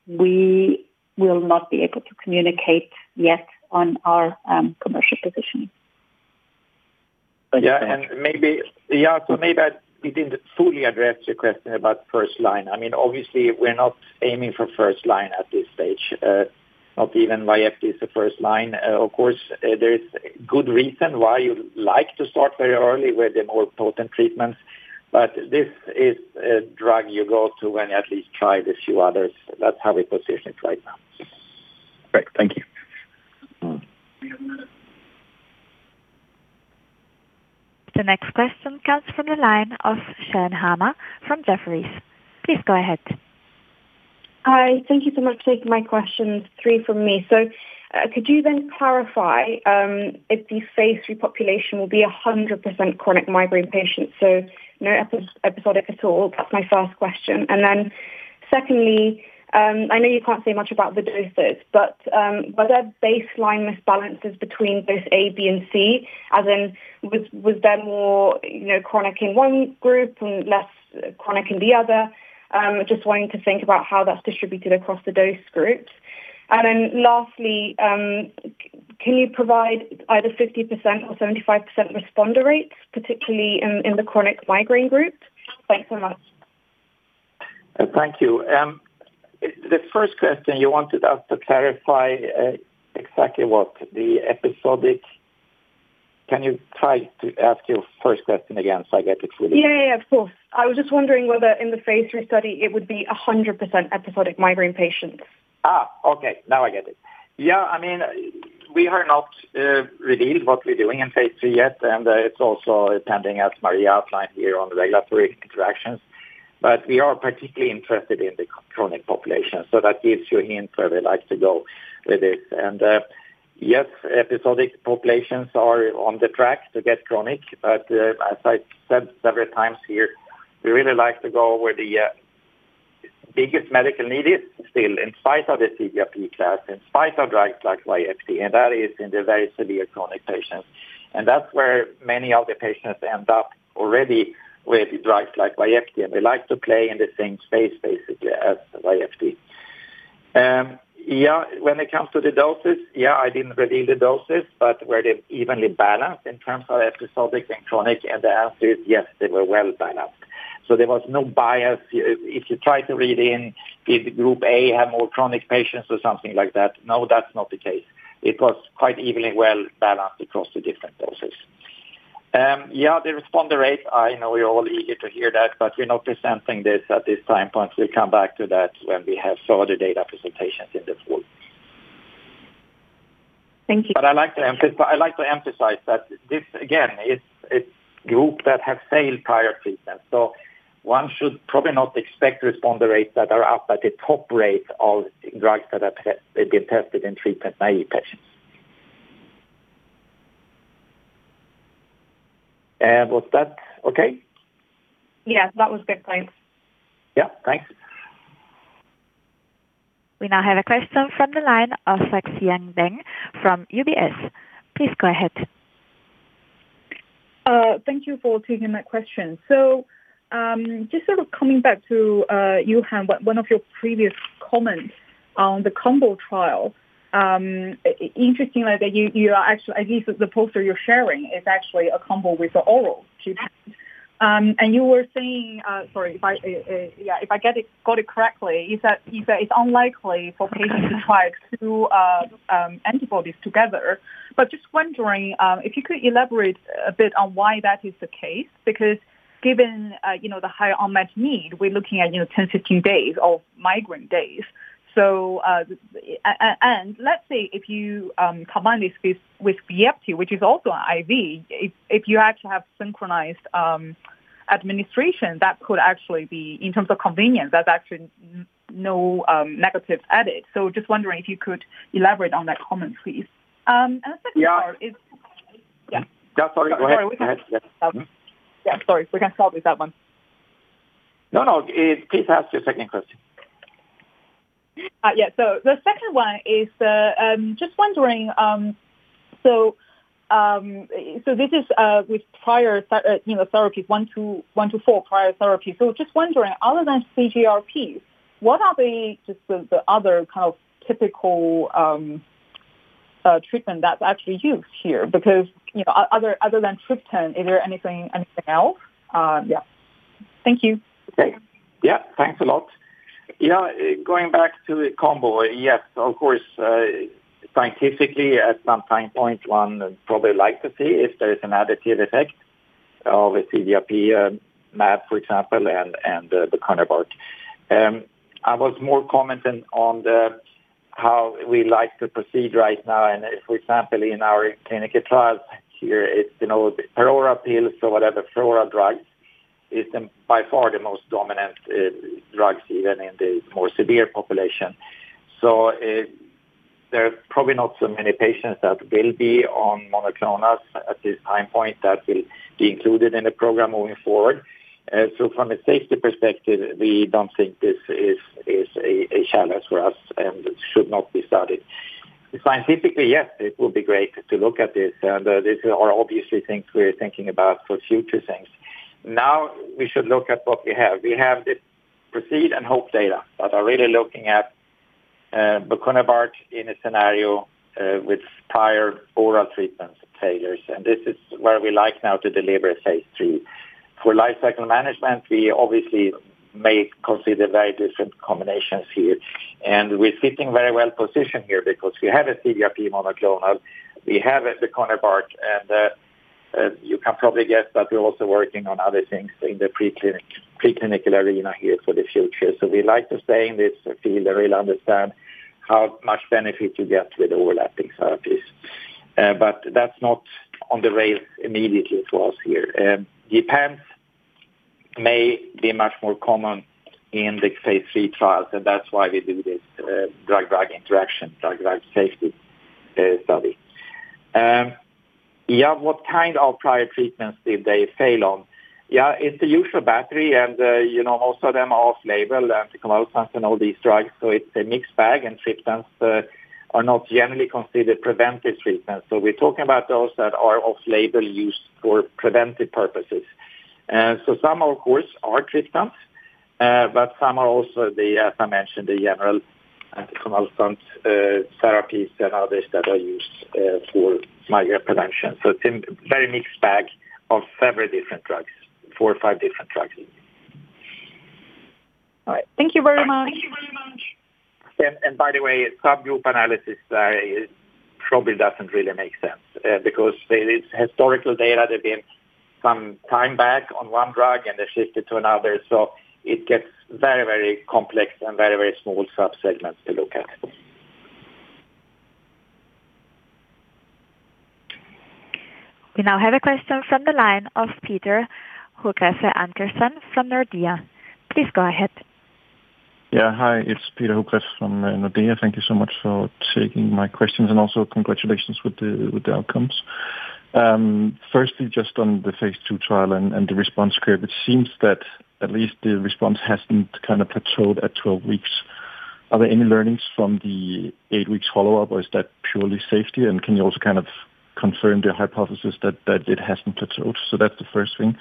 we will not be able to communicate yet on our commercial positioning. Yeah. Maybe I didn't fully address your question about first-line. Obviously, we're not aiming for first-line at this stage. Not even VYEPTI is the first-line. Of course, there is good reason why you like to start very early with the more potent treatments. This is a drug you go to when you at least tried a few others. That's how we position it right now. Great. Thank you. The next question comes from the line of Shan Hama from Jefferies. Please go ahead. Hi. Thank you so much for taking my questions. Three from me. Could you then clarify if the phase III population will be 100% chronic migraine patients, so no episodic at all? That's my first question. Secondly, I know you can't say much about the doses, but were there baseline misbalances between dose A, B, and C? As in, was there more chronic in one group and less chronic in the other? Just wanting to think about how that's distributed across the dose groups. Lastly, can you provide either 50% or 75% responder rates, particularly in the chronic migraine group? Thanks so much. Thank you. The first question, you wanted us to clarify exactly. Can you try to ask your first question again so I get it fully? Yeah, of course. I was just wondering whether in the phase III study it would be 100% episodic migraine patients. Okay. Now I get it. Yeah, we have not revealed what we're doing in phase III yet, and it's also pending, as Maria outlined here, on regulatory interactions. We are particularly interested in the chronic population, so that gives you a hint where we like to go with this. Yes, episodic populations are on the track to get chronic. As I said several times here, we really like to go where the biggest medical need is still, in spite of the CGRP class, in spite of drugs like VYEPTI, and that is in the very severe chronic patients. That's where many of the patients end up already with drugs like VYEPTI, and we like to play in the same space, basically, as VYEPTI. Yeah, when it comes to the doses, I didn't reveal the doses, were they evenly balanced in terms of episodic and chronic? The answer is yes, they were well-balanced. There was no bias. If you try to read in did group A have more chronic patients or something like that, no, that's not the case. It was quite evenly well-balanced across the different doses. Yeah, the responder rates, I know you're all eager to hear that, we're not presenting this at this time point. We'll come back to that when we have further data presentations in this work. Thank you. I like to emphasize that this, again, is a group that has failed prior treatment. One should probably not expect response rates that are up at the top rate of drugs that have been tested in treatment-naive patients. Was that okay? Yes, that was a good point. Yeah, thanks. We now have a question from the line of Xiang Deng from UBS. Please go ahead. Thank you for taking that question. Just sort of coming back to Johan, one of your previous comments on the combo trial. Interestingly, at least the poster you're sharing is actually a combo with the oral triptan. You were saying, sorry, if I got it correctly, you said it's unlikely for patients to try two antibodies together. Just wondering if you could elaborate a bit on why that is the case, because given the high unmet need, we're looking at 10-15 days of migraine days. Let's say if you combine this with VYEPTI, which is also an IV, if you actually have synchronized administration, that could actually be, in terms of convenience, there's actually no negatives added. Just wondering if you could elaborate on that comment, please. The second part is. Yeah. Yeah. Sorry, go ahead. Sorry. We can start with that one. No. Please ask your second question. Yeah. The second one is just wondering, so this is with prior therapies, one to four prior therapies. Just wondering, other than CGRPs, what are the other kind of typical treatment that's actually used here? Because other than triptan, is there anything else? Yeah. Thank you. Okay. Yeah, thanks a lot. Going back to the combo, yes, of course, scientifically, at some time point, one would probably like to see if there is an additive effect of a CGRP mAb, for example, and the counterpart. I was more commenting on how we like to proceed right now, and if, for example, in our clinical trials here, it's the oral pills or whatever, oral drugs is by far the most dominant drugs even in the more severe population. There's probably not so many patients that will be on monoclonals at this time point that will be included in the program moving forward. From a safety perspective, we don't think this is a challenge for us and should not be studied. Scientifically, yes, it will be great to look at this, and these are obviously things we're thinking about for future things. Now we should look at what we have. We have the PROCEED and HOPE data that are really looking at bocunebart in a scenario with prior oral treatment failures. This is where we like now to deliver phase III. For lifecycle management, we obviously may consider very different combinations here. We're sitting very well positioned here because we have a CGRP monoclonal. We have the bocunebart, and you can probably guess that we're also working on other things in the preclinical arena here for the future. We like to stay in this field and really understand how much benefit you get with overlapping therapies. That's not on the rail immediately for us here. Gepants may be much more common in the phase III trials, and that's why we do this drug-drug interaction, drug-drug safety study. Yeah, what kind of prior treatments did they fail on? It's the usual battery, and also they're more off-label, antiepileptics and all these drugs. It's a mixed bag, triptans are not generally considered preventive treatments. We're talking about those that are off-label use for preventive purposes. Some, of course, are triptans but some are also the, as I mentioned, the general antiepileptics therapies and others that are used for migraine prevention. It's a very mixed bag of several different drugs, four or five different drugs even. All right. Thank you very much. By the way, subgroup analysis probably doesn't really make sense because it's historical data. They've been some time back on one drug, and they shifted to another. It gets very complex and very small subsegments to look at. We now have a question from the line of Peter Hugreffe Ankersen from Nordea. Please go ahead. Hi, it's Peter Hugreffe from Nordea. Thank you so much for taking my questions and also congratulations with the outcomes. Firstly, just on the phase II trial and the response curve, it seems that at least the response hasn't kind of plateaued at 12 weeks. Are there any learnings from the eight weeks follow-up, or is that purely safety? Can you also kind of confirm the hypothesis that it hasn't plateaued? That's the first thing.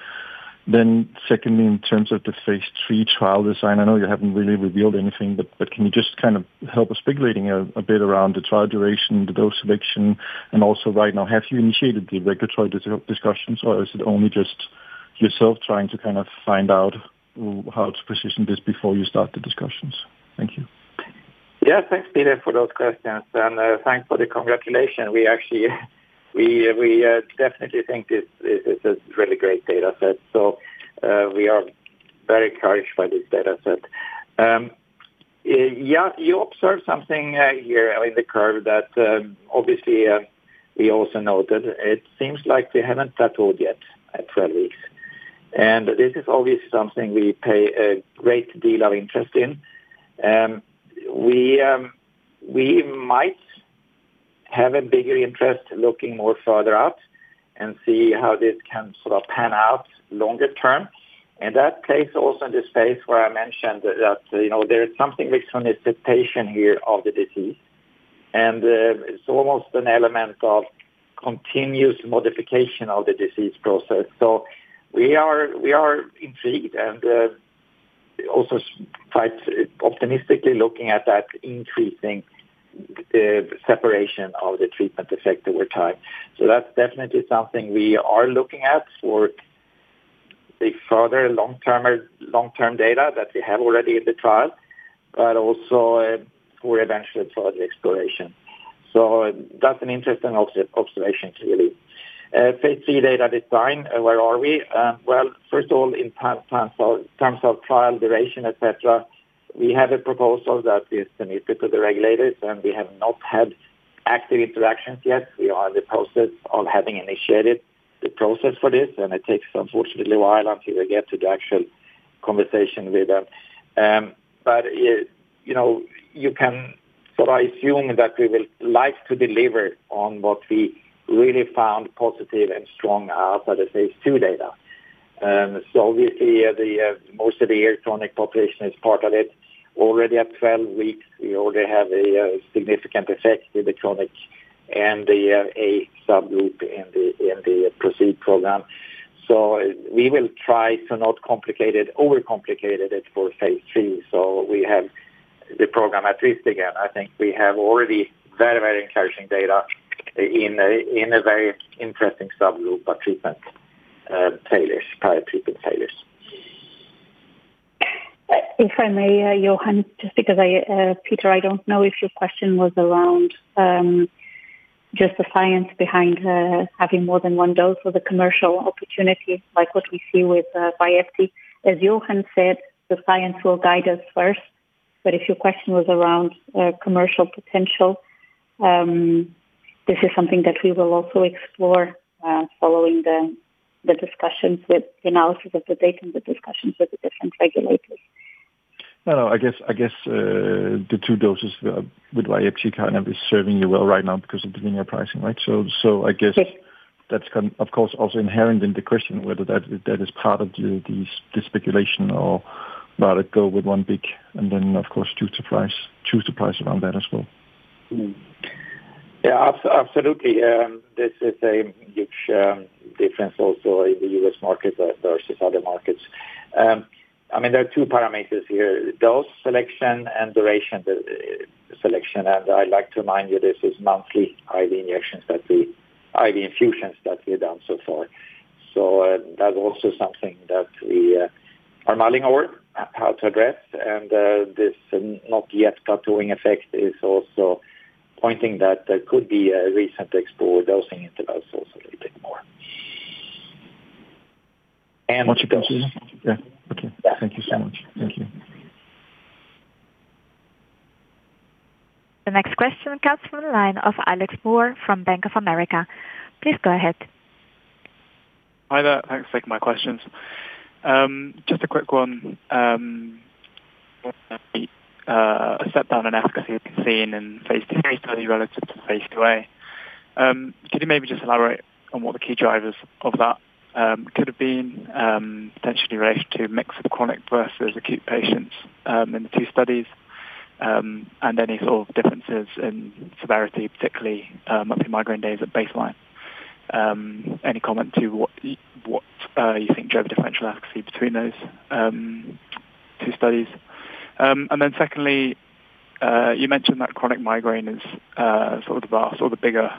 Secondly, in terms of the phase III trial design, I know you haven't really revealed anything, but can you just kind of help us speculating a bit around the trial duration, the dose selection, and also right now, have you initiated the regulatory discussions, or is it only just yourself trying to kind of find out how to position this before you start the discussions? Thank you. Yeah. Thanks, Peter, for those questions. Thanks for the congratulations. We definitely think this is a really great data set. We are very encouraged by this data set. You observe something here in the curve that obviously we also noted. It seems like we haven't settled yet at 12 weeks. This is obviously something we pay a great deal of interest in. We might have a bigger interest looking more further out and see how this can sort of pan out longer term. That plays also in the space where I mentioned that there is something mixed on the patient here of the disease. It's almost an element of continuous modification of the disease process. We are intrigued and also quite optimistically looking at that increasing the separation of the treatment effect over time. That's definitely something we are looking at for the further long-term data that we have already in the trial, but also for eventually for the exploration. That's an interesting observation, clearly. Phase III data design, where are we? First of all, in terms of trial duration, et cetera, we have a proposal that is submitted to the regulators, we have not had active interactions yet. We are in the process of having initiated the process for this, it takes, unfortunately, a while until we get to the actual conversation with them. You can sort of assume that we will like to deliver on what we really found positive and strong out of the phase II data. Obviously, most of the enrolled population is part of it. Already at 12 weeks, we already have a significant effect in the chronic and the A subgroup in the PROCEED program. We will try to not over-complicate it for phase III. We have the program at risk again. I think we have already very encouraging data in a very interesting subgroup of treatment failures, prior treatment failures. If I may, Johan, just because, Peter, I don't know if your question was around just the science behind having more than one dose or the commercial opportunity, like what we see with VYEPTI. As Johan said, the science will guide us first, but if your question was around commercial potential, this is something that we will also explore following the analysis of the data and the discussions with the different regulators. No, I guess, the two doses with VYEPTI kind of is serving you well right now because of the linear pricing, right? Yes that's, of course, also inherent in the question whether that is part of the speculation or rather go with one big and then, of course, choose to price around that as well. Yeah. Absolutely. This is a huge difference also in the U.S. market versus other markets. There are two parameters here, dose selection and duration selection. I'd like to remind you this is monthly IV infusions that we've done so far. That's also something that we are mulling over how to address. This not yet plateauing effect is also pointing that there could be a reason to explore dosing intervals also a little bit more. Much appreciated. Yeah. Okay. Yeah. Thank you so much. Thank you. The next question comes from the line of Alex Moore from Bank of America. Please go ahead. Hi there. Thanks for taking my questions. Just a quick one. A step down in efficacy has been seen in phase II-A study relative to phase II-A. Could you maybe just elaborate on what the key drivers of that could have been potentially related to mix of chronic versus acute patients in the two studies, and any sort of differences in severity, particularly monthly migraine days at baseline? Any comment to what you think drove differential accuracy between those two studies? Secondly, you mentioned that chronic migraine is sort of the bigger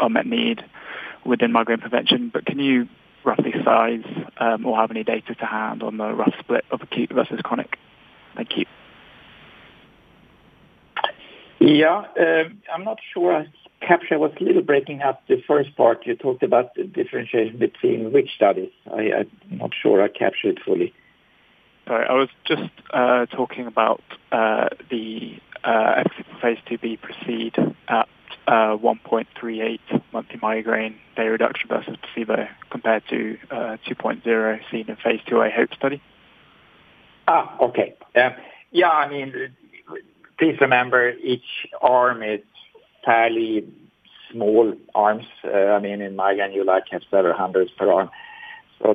unmet need within migraine prevention. Can you roughly size or have any data to hand on the rough split of acute versus chronic? Thank you. I'm not sure I captured. It was a little breaking up the first part. You talked about the differentiation between which studies? I'm not sure I captured it fully. Sorry. I was just talking about the exit from phase II-B PROCEED at 1.38 monthly migraine day reduction versus placebo compared to 2.0 day seen in phase II-A HOPE study. Please remember each arm is entirely small arms. In migraine, you have several hundreds per arm.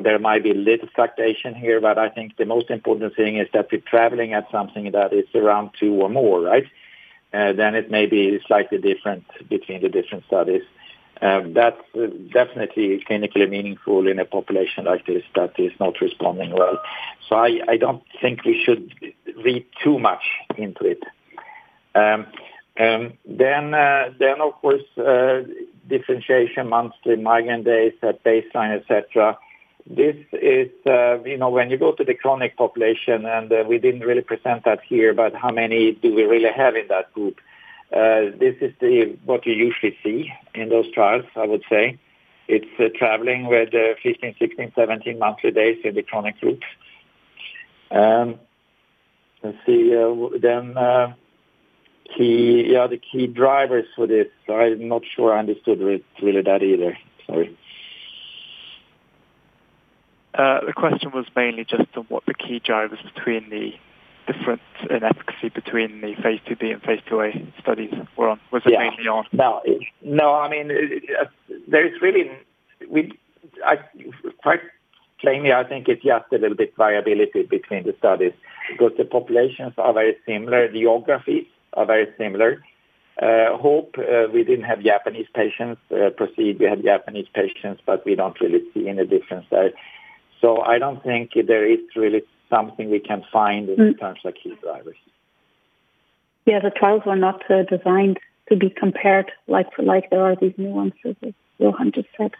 there might be little fluctuation here, but I think the most important thing is that we're traveling at something that is around two or more. Right? it may be slightly different between the different studies. That's definitely clinically meaningful in a population like this that is not responding well. I don't think we should read too much into it. Then of course, differentiation monthly migraine days at baseline, et cetera. When you go to the chronic population, and we didn't really present that here, but how many do we really have in that group? This is what you usually see in those trials, I would say. It's traveling with 15-16-17 monthly days in the chronic groups. Let's see. the key drivers for this. I'm not sure I understood really that either. Sorry. The question was mainly just on what the key drivers between the difference in efficacy between the phase II-B and phase II-A studies were on. Was it mainly on? No. Quite plainly, I think it's just a little bit variability between the studies because the populations are very similar, the geographies are very similar. HOPE, we didn't have Japanese patients. PROCEED, we had Japanese patients, but we don't really see any difference there. I don't think there is really something we can find in terms of key drivers. Yeah. The trials were not designed to be compared like for like. There are these nuances, as Johan just said.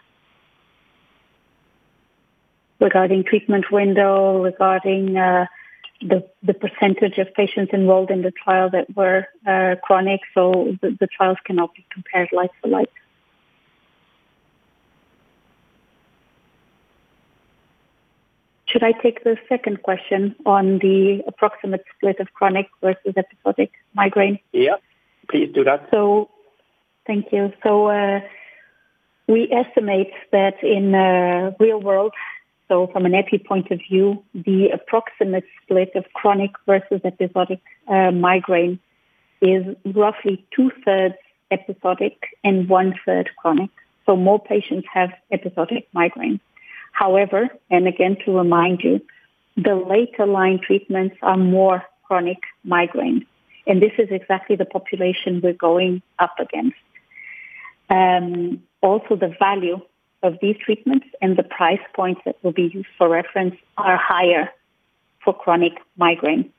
Regarding treatment window, regarding the percentage of patients enrolled in the trial that were chronic, so the trials cannot be compared like for like. Should I take the second question on the approximate split of chronic versus episodic migraine? Yeah. Please do that. Thank you. We estimate that in real world, from an epi point of view, the approximate split of chronic versus episodic migraine is roughly two-thirds episodic and one-third chronic. More patients have episodic migraine. However, and again, to remind you, the later line treatments are more chronic migraine, and this is exactly the population we're going up against. Also, the value of these treatments and the price points that will be used for reference are higher for chronic migraine.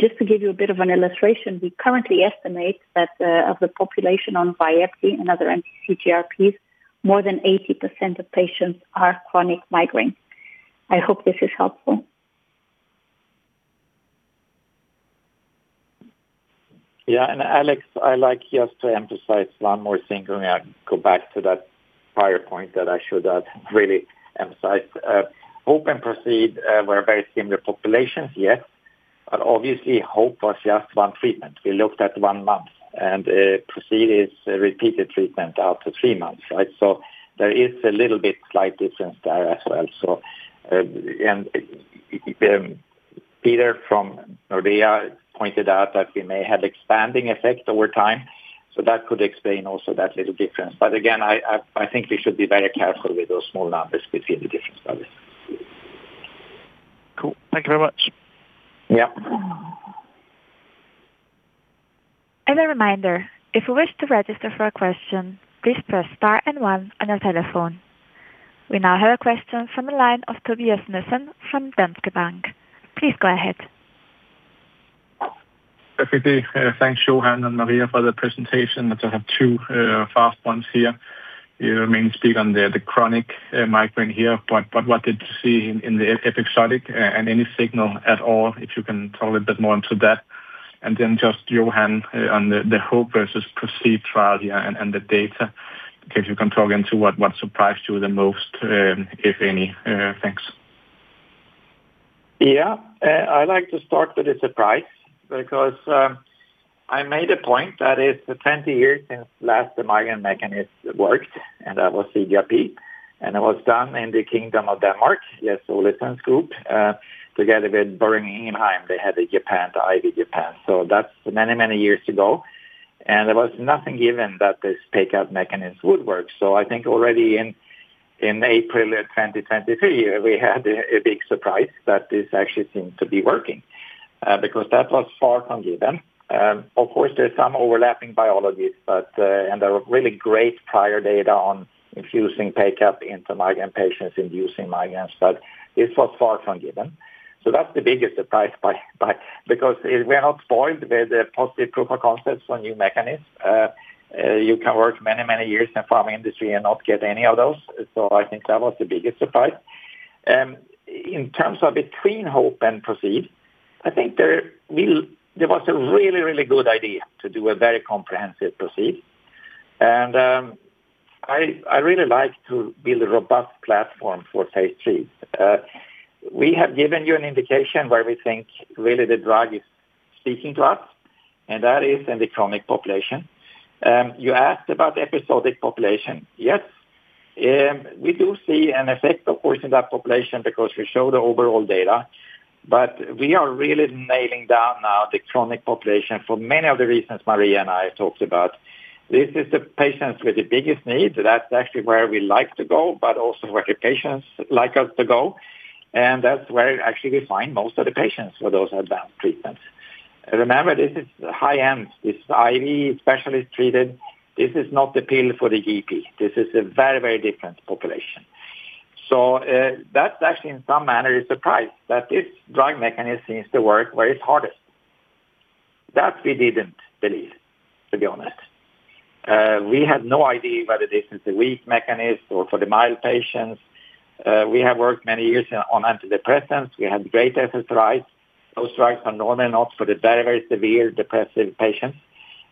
Just to give you a bit of an illustration, we currently estimate that of the population on VYEPTI and other anti-CGRPs, more than 80% of patients are chronic migraine. I hope this is helpful. Yeah. Alex, I like just to emphasize one more thing. Let me go back to that prior point that I should have really emphasized. HOPE and PROCEED were very similar populations, yes. Obviously, HOPE was just one treatment. We looked at one month, PROCEED is a repeated treatment out to three months, right? There is a little bit slight difference there as well. Peter from Nordea pointed out that we may have expanding effect over time, that could explain also that little difference. Again, I think we should be very careful with those small numbers between the different studies. Cool. Thank you very much. Yeah. As a reminder, if you wish to register for a question, please press star and one on your telephone. We now have a question from the line of Tobias Nissen from Danske Bank. Please go ahead. Perfectly. Thanks, Johan and Maria, for the presentation. I just have two fast ones here. You mainly speak on the chronic migraine here, but what did you see in the episodic and any signal at all, if you can talk a bit more into that? Just Johan, on the HOPE versus PROCEED trial here and the data, if you can talk into what surprised you the most, if any. Thanks. Yeah. I like to start with the surprise because I made a point that it's 20 years since last the migraine mechanism worked, and that was CGRP, and it was done in the Kingdom of Denmark. Yes, the, together with Boehringer Ingelheim, they had the Japan, the IV Japan. That's many years ago, and there was nothing given that this PACAP mechanism would work. I think already in April of 2023, we had a big surprise that this actually seemed to be working, because that was far from given. Of course, there's some overlapping biology, and there were really great prior data on infusing PACAP into migraine patients, inducing migraines, but this was far from given. That's the biggest surprise because we are not spoiled with positive proof of concepts on new mechanisms. You can work many years in pharma industry and not get any of those. I think that was the biggest surprise. In terms of between HOPE and PROCEED, I think there was a really good idea to do a very comprehensive PROCEED. I really like to build a robust platform for phase III. We have given you an indication where we think really the drug is speaking to us, and that is in the chronic population. You asked about the episodic population. Yes, we do see an effect, of course, in that population because we show the overall data, but we are really nailing down now the chronic population for many of the reasons Maria and I talked about. This is the patients with the biggest needs. That's actually where we like to go, but also where the patients like us to go. That's where actually we find most of the patients for those advanced treatments. Remember, this is high-end. This is IV, specialist-treated. This is not the pill for the GP. This is a very different population. That's actually in some manner a surprise that this drug mechanism seems to work where it's hardest. That we didn't believe, to be honest. We had no idea whether this is a weak mechanism or for the mild patients. We have worked many years on antidepressants. We had great SSRIs. Those drugs are normally not for the very severe depressive patients.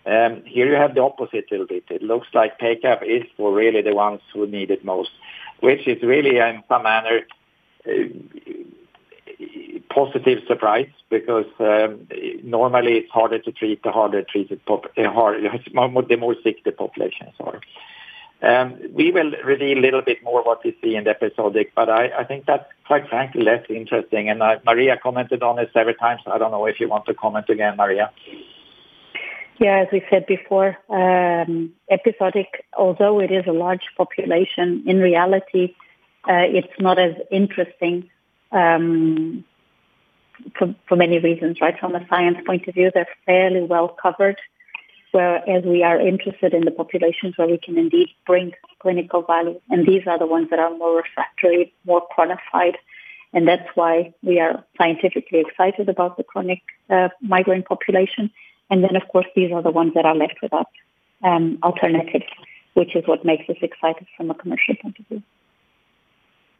Here you have the opposite a little bit. It looks like PACAP is for really the ones who need it most, which is really, in some manner, a positive surprise because normally it's harder to treat the more sick the populations are. We will reveal a little bit more what we see in the episodic. I think that's quite frankly less interesting. Maria commented on this several times. I don't know if you want to comment again, Maria. Yeah. As we said before, episodic, although it is a large population, in reality, it's not as interesting for many reasons, right? From a science point of view, they're fairly well-covered. Whereas we are interested in the populations where we can indeed bring clinical value, and these are the ones that are more refractory, more qualified, and that's why we are scientifically excited about the chronic migraine population. Of course, these are the ones that are left without alternatives, which is what makes us excited from a commercial point of view.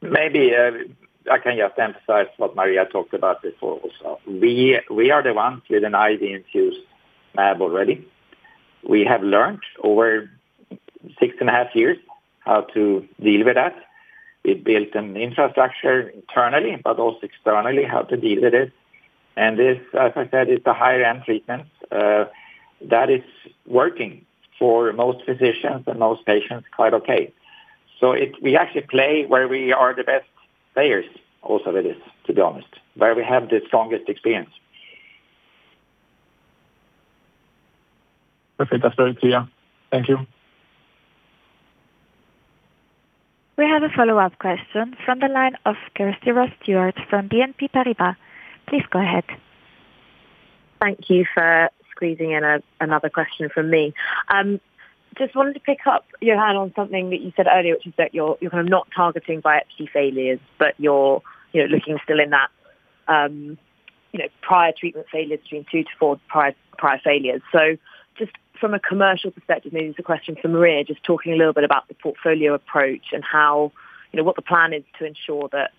Maybe I can just emphasize what Maria talked about before also. We are the ones with an IV infused mAb already. We have learned over six and a half years how to deal with that. We built an infrastructure internally, also externally how to deal with it. This, as I said, is the high-end treatment that is working for most physicians and most patients quite okay. We actually play where we are the best players also with this, to be honest, where we have the strongest experience. Perfect. That's very clear. Thank you. We have a follow-up question from the line of Kirsty Ross-Stewart from BNP Paribas. Please go ahead. Thank you for squeezing in another question from me. Wanted to pick up, Johan, on something that you said earlier, which is that you're kind of not targeting VYEPTI failures, but you're looking still in that prior treatment failures between two to four prior failures. From a commercial perspective, maybe it's a question for Maria, talking a little bit about the portfolio approach and what the plan is to ensure that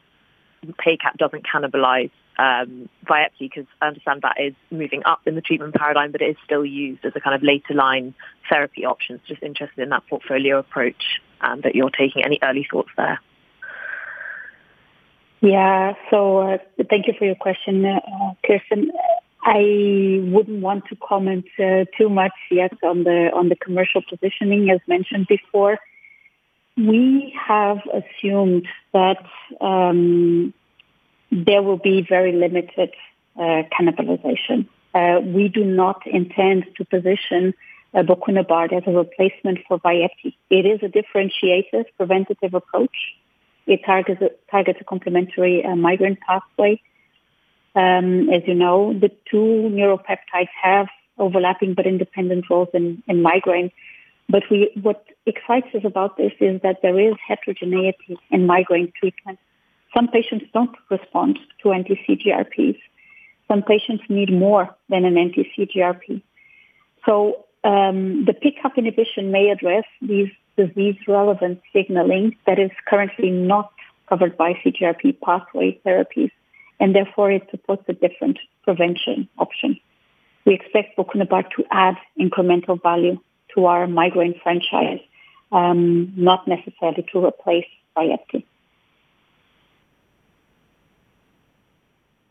PACAP doesn't cannibalize VYEPTI, because I understand that is moving up in the treatment paradigm, but it is still used as a kind of later line therapy option. Interested in that portfolio approach that you're taking. Any early thoughts there? Thank you for your question, Kirsty. I wouldn't want to comment too much yet on the commercial positioning as mentioned before. We have assumed that there will be very limited cannibalization. We do not intend to position bocunebart as a replacement for VYEPTI. It is a differentiated preventative approach. It targets a complementary migraine pathway. As you know, the two neuropeptides have overlapping but independent roles in migraine. What excites us about this is that there is heterogeneity in migraine treatment. Some patients don't respond to anti-CGRPs. Some patients need more than an anti-CGRP. The PACAP inhibition may address these disease-relevant signaling that is currently not covered by CGRP pathway therapies, therefore it supports a different prevention option. We expect bocunebart to add incremental value to our migraine franchise, not necessarily to replace VYEPTI.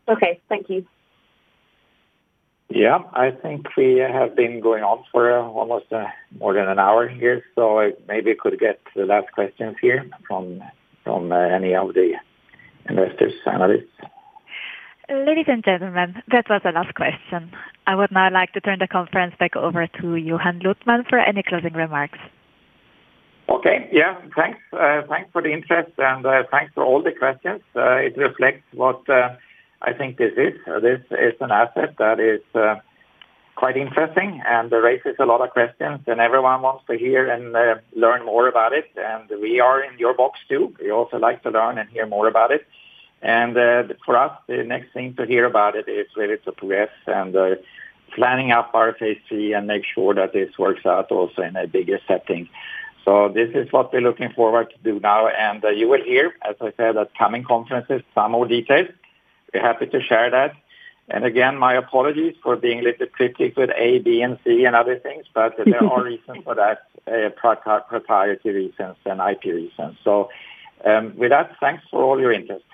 Okay. Thank you. Yeah. I think we have been going on for almost more than an hour here, so maybe could get the last questions here from any of the investors, analysts. Ladies and gentlemen, that was the last question. I would now like to turn the conference back over to Johan Luthman for any closing remarks. Okay. Yeah. Thanks for the interest and thanks for all the questions. It reflects what I think this is. This is an asset that is quite interesting and raises a lot of questions, and everyone wants to hear and learn more about it. We are in your box too. We also like to learn and hear more about it. For us, the next thing to hear about it is where it progress and planning our phase III and make sure that this works out also in a bigger setting. This is what we're looking forward to do now, and you will hear, as I said, at coming conferences, some more details. We're happy to share that. Again, my apologies for being a little cryptic with A, B, and C and other things, but there are reasons for that, proprietary reasons and IP reasons. With that, Thanks for all your interest.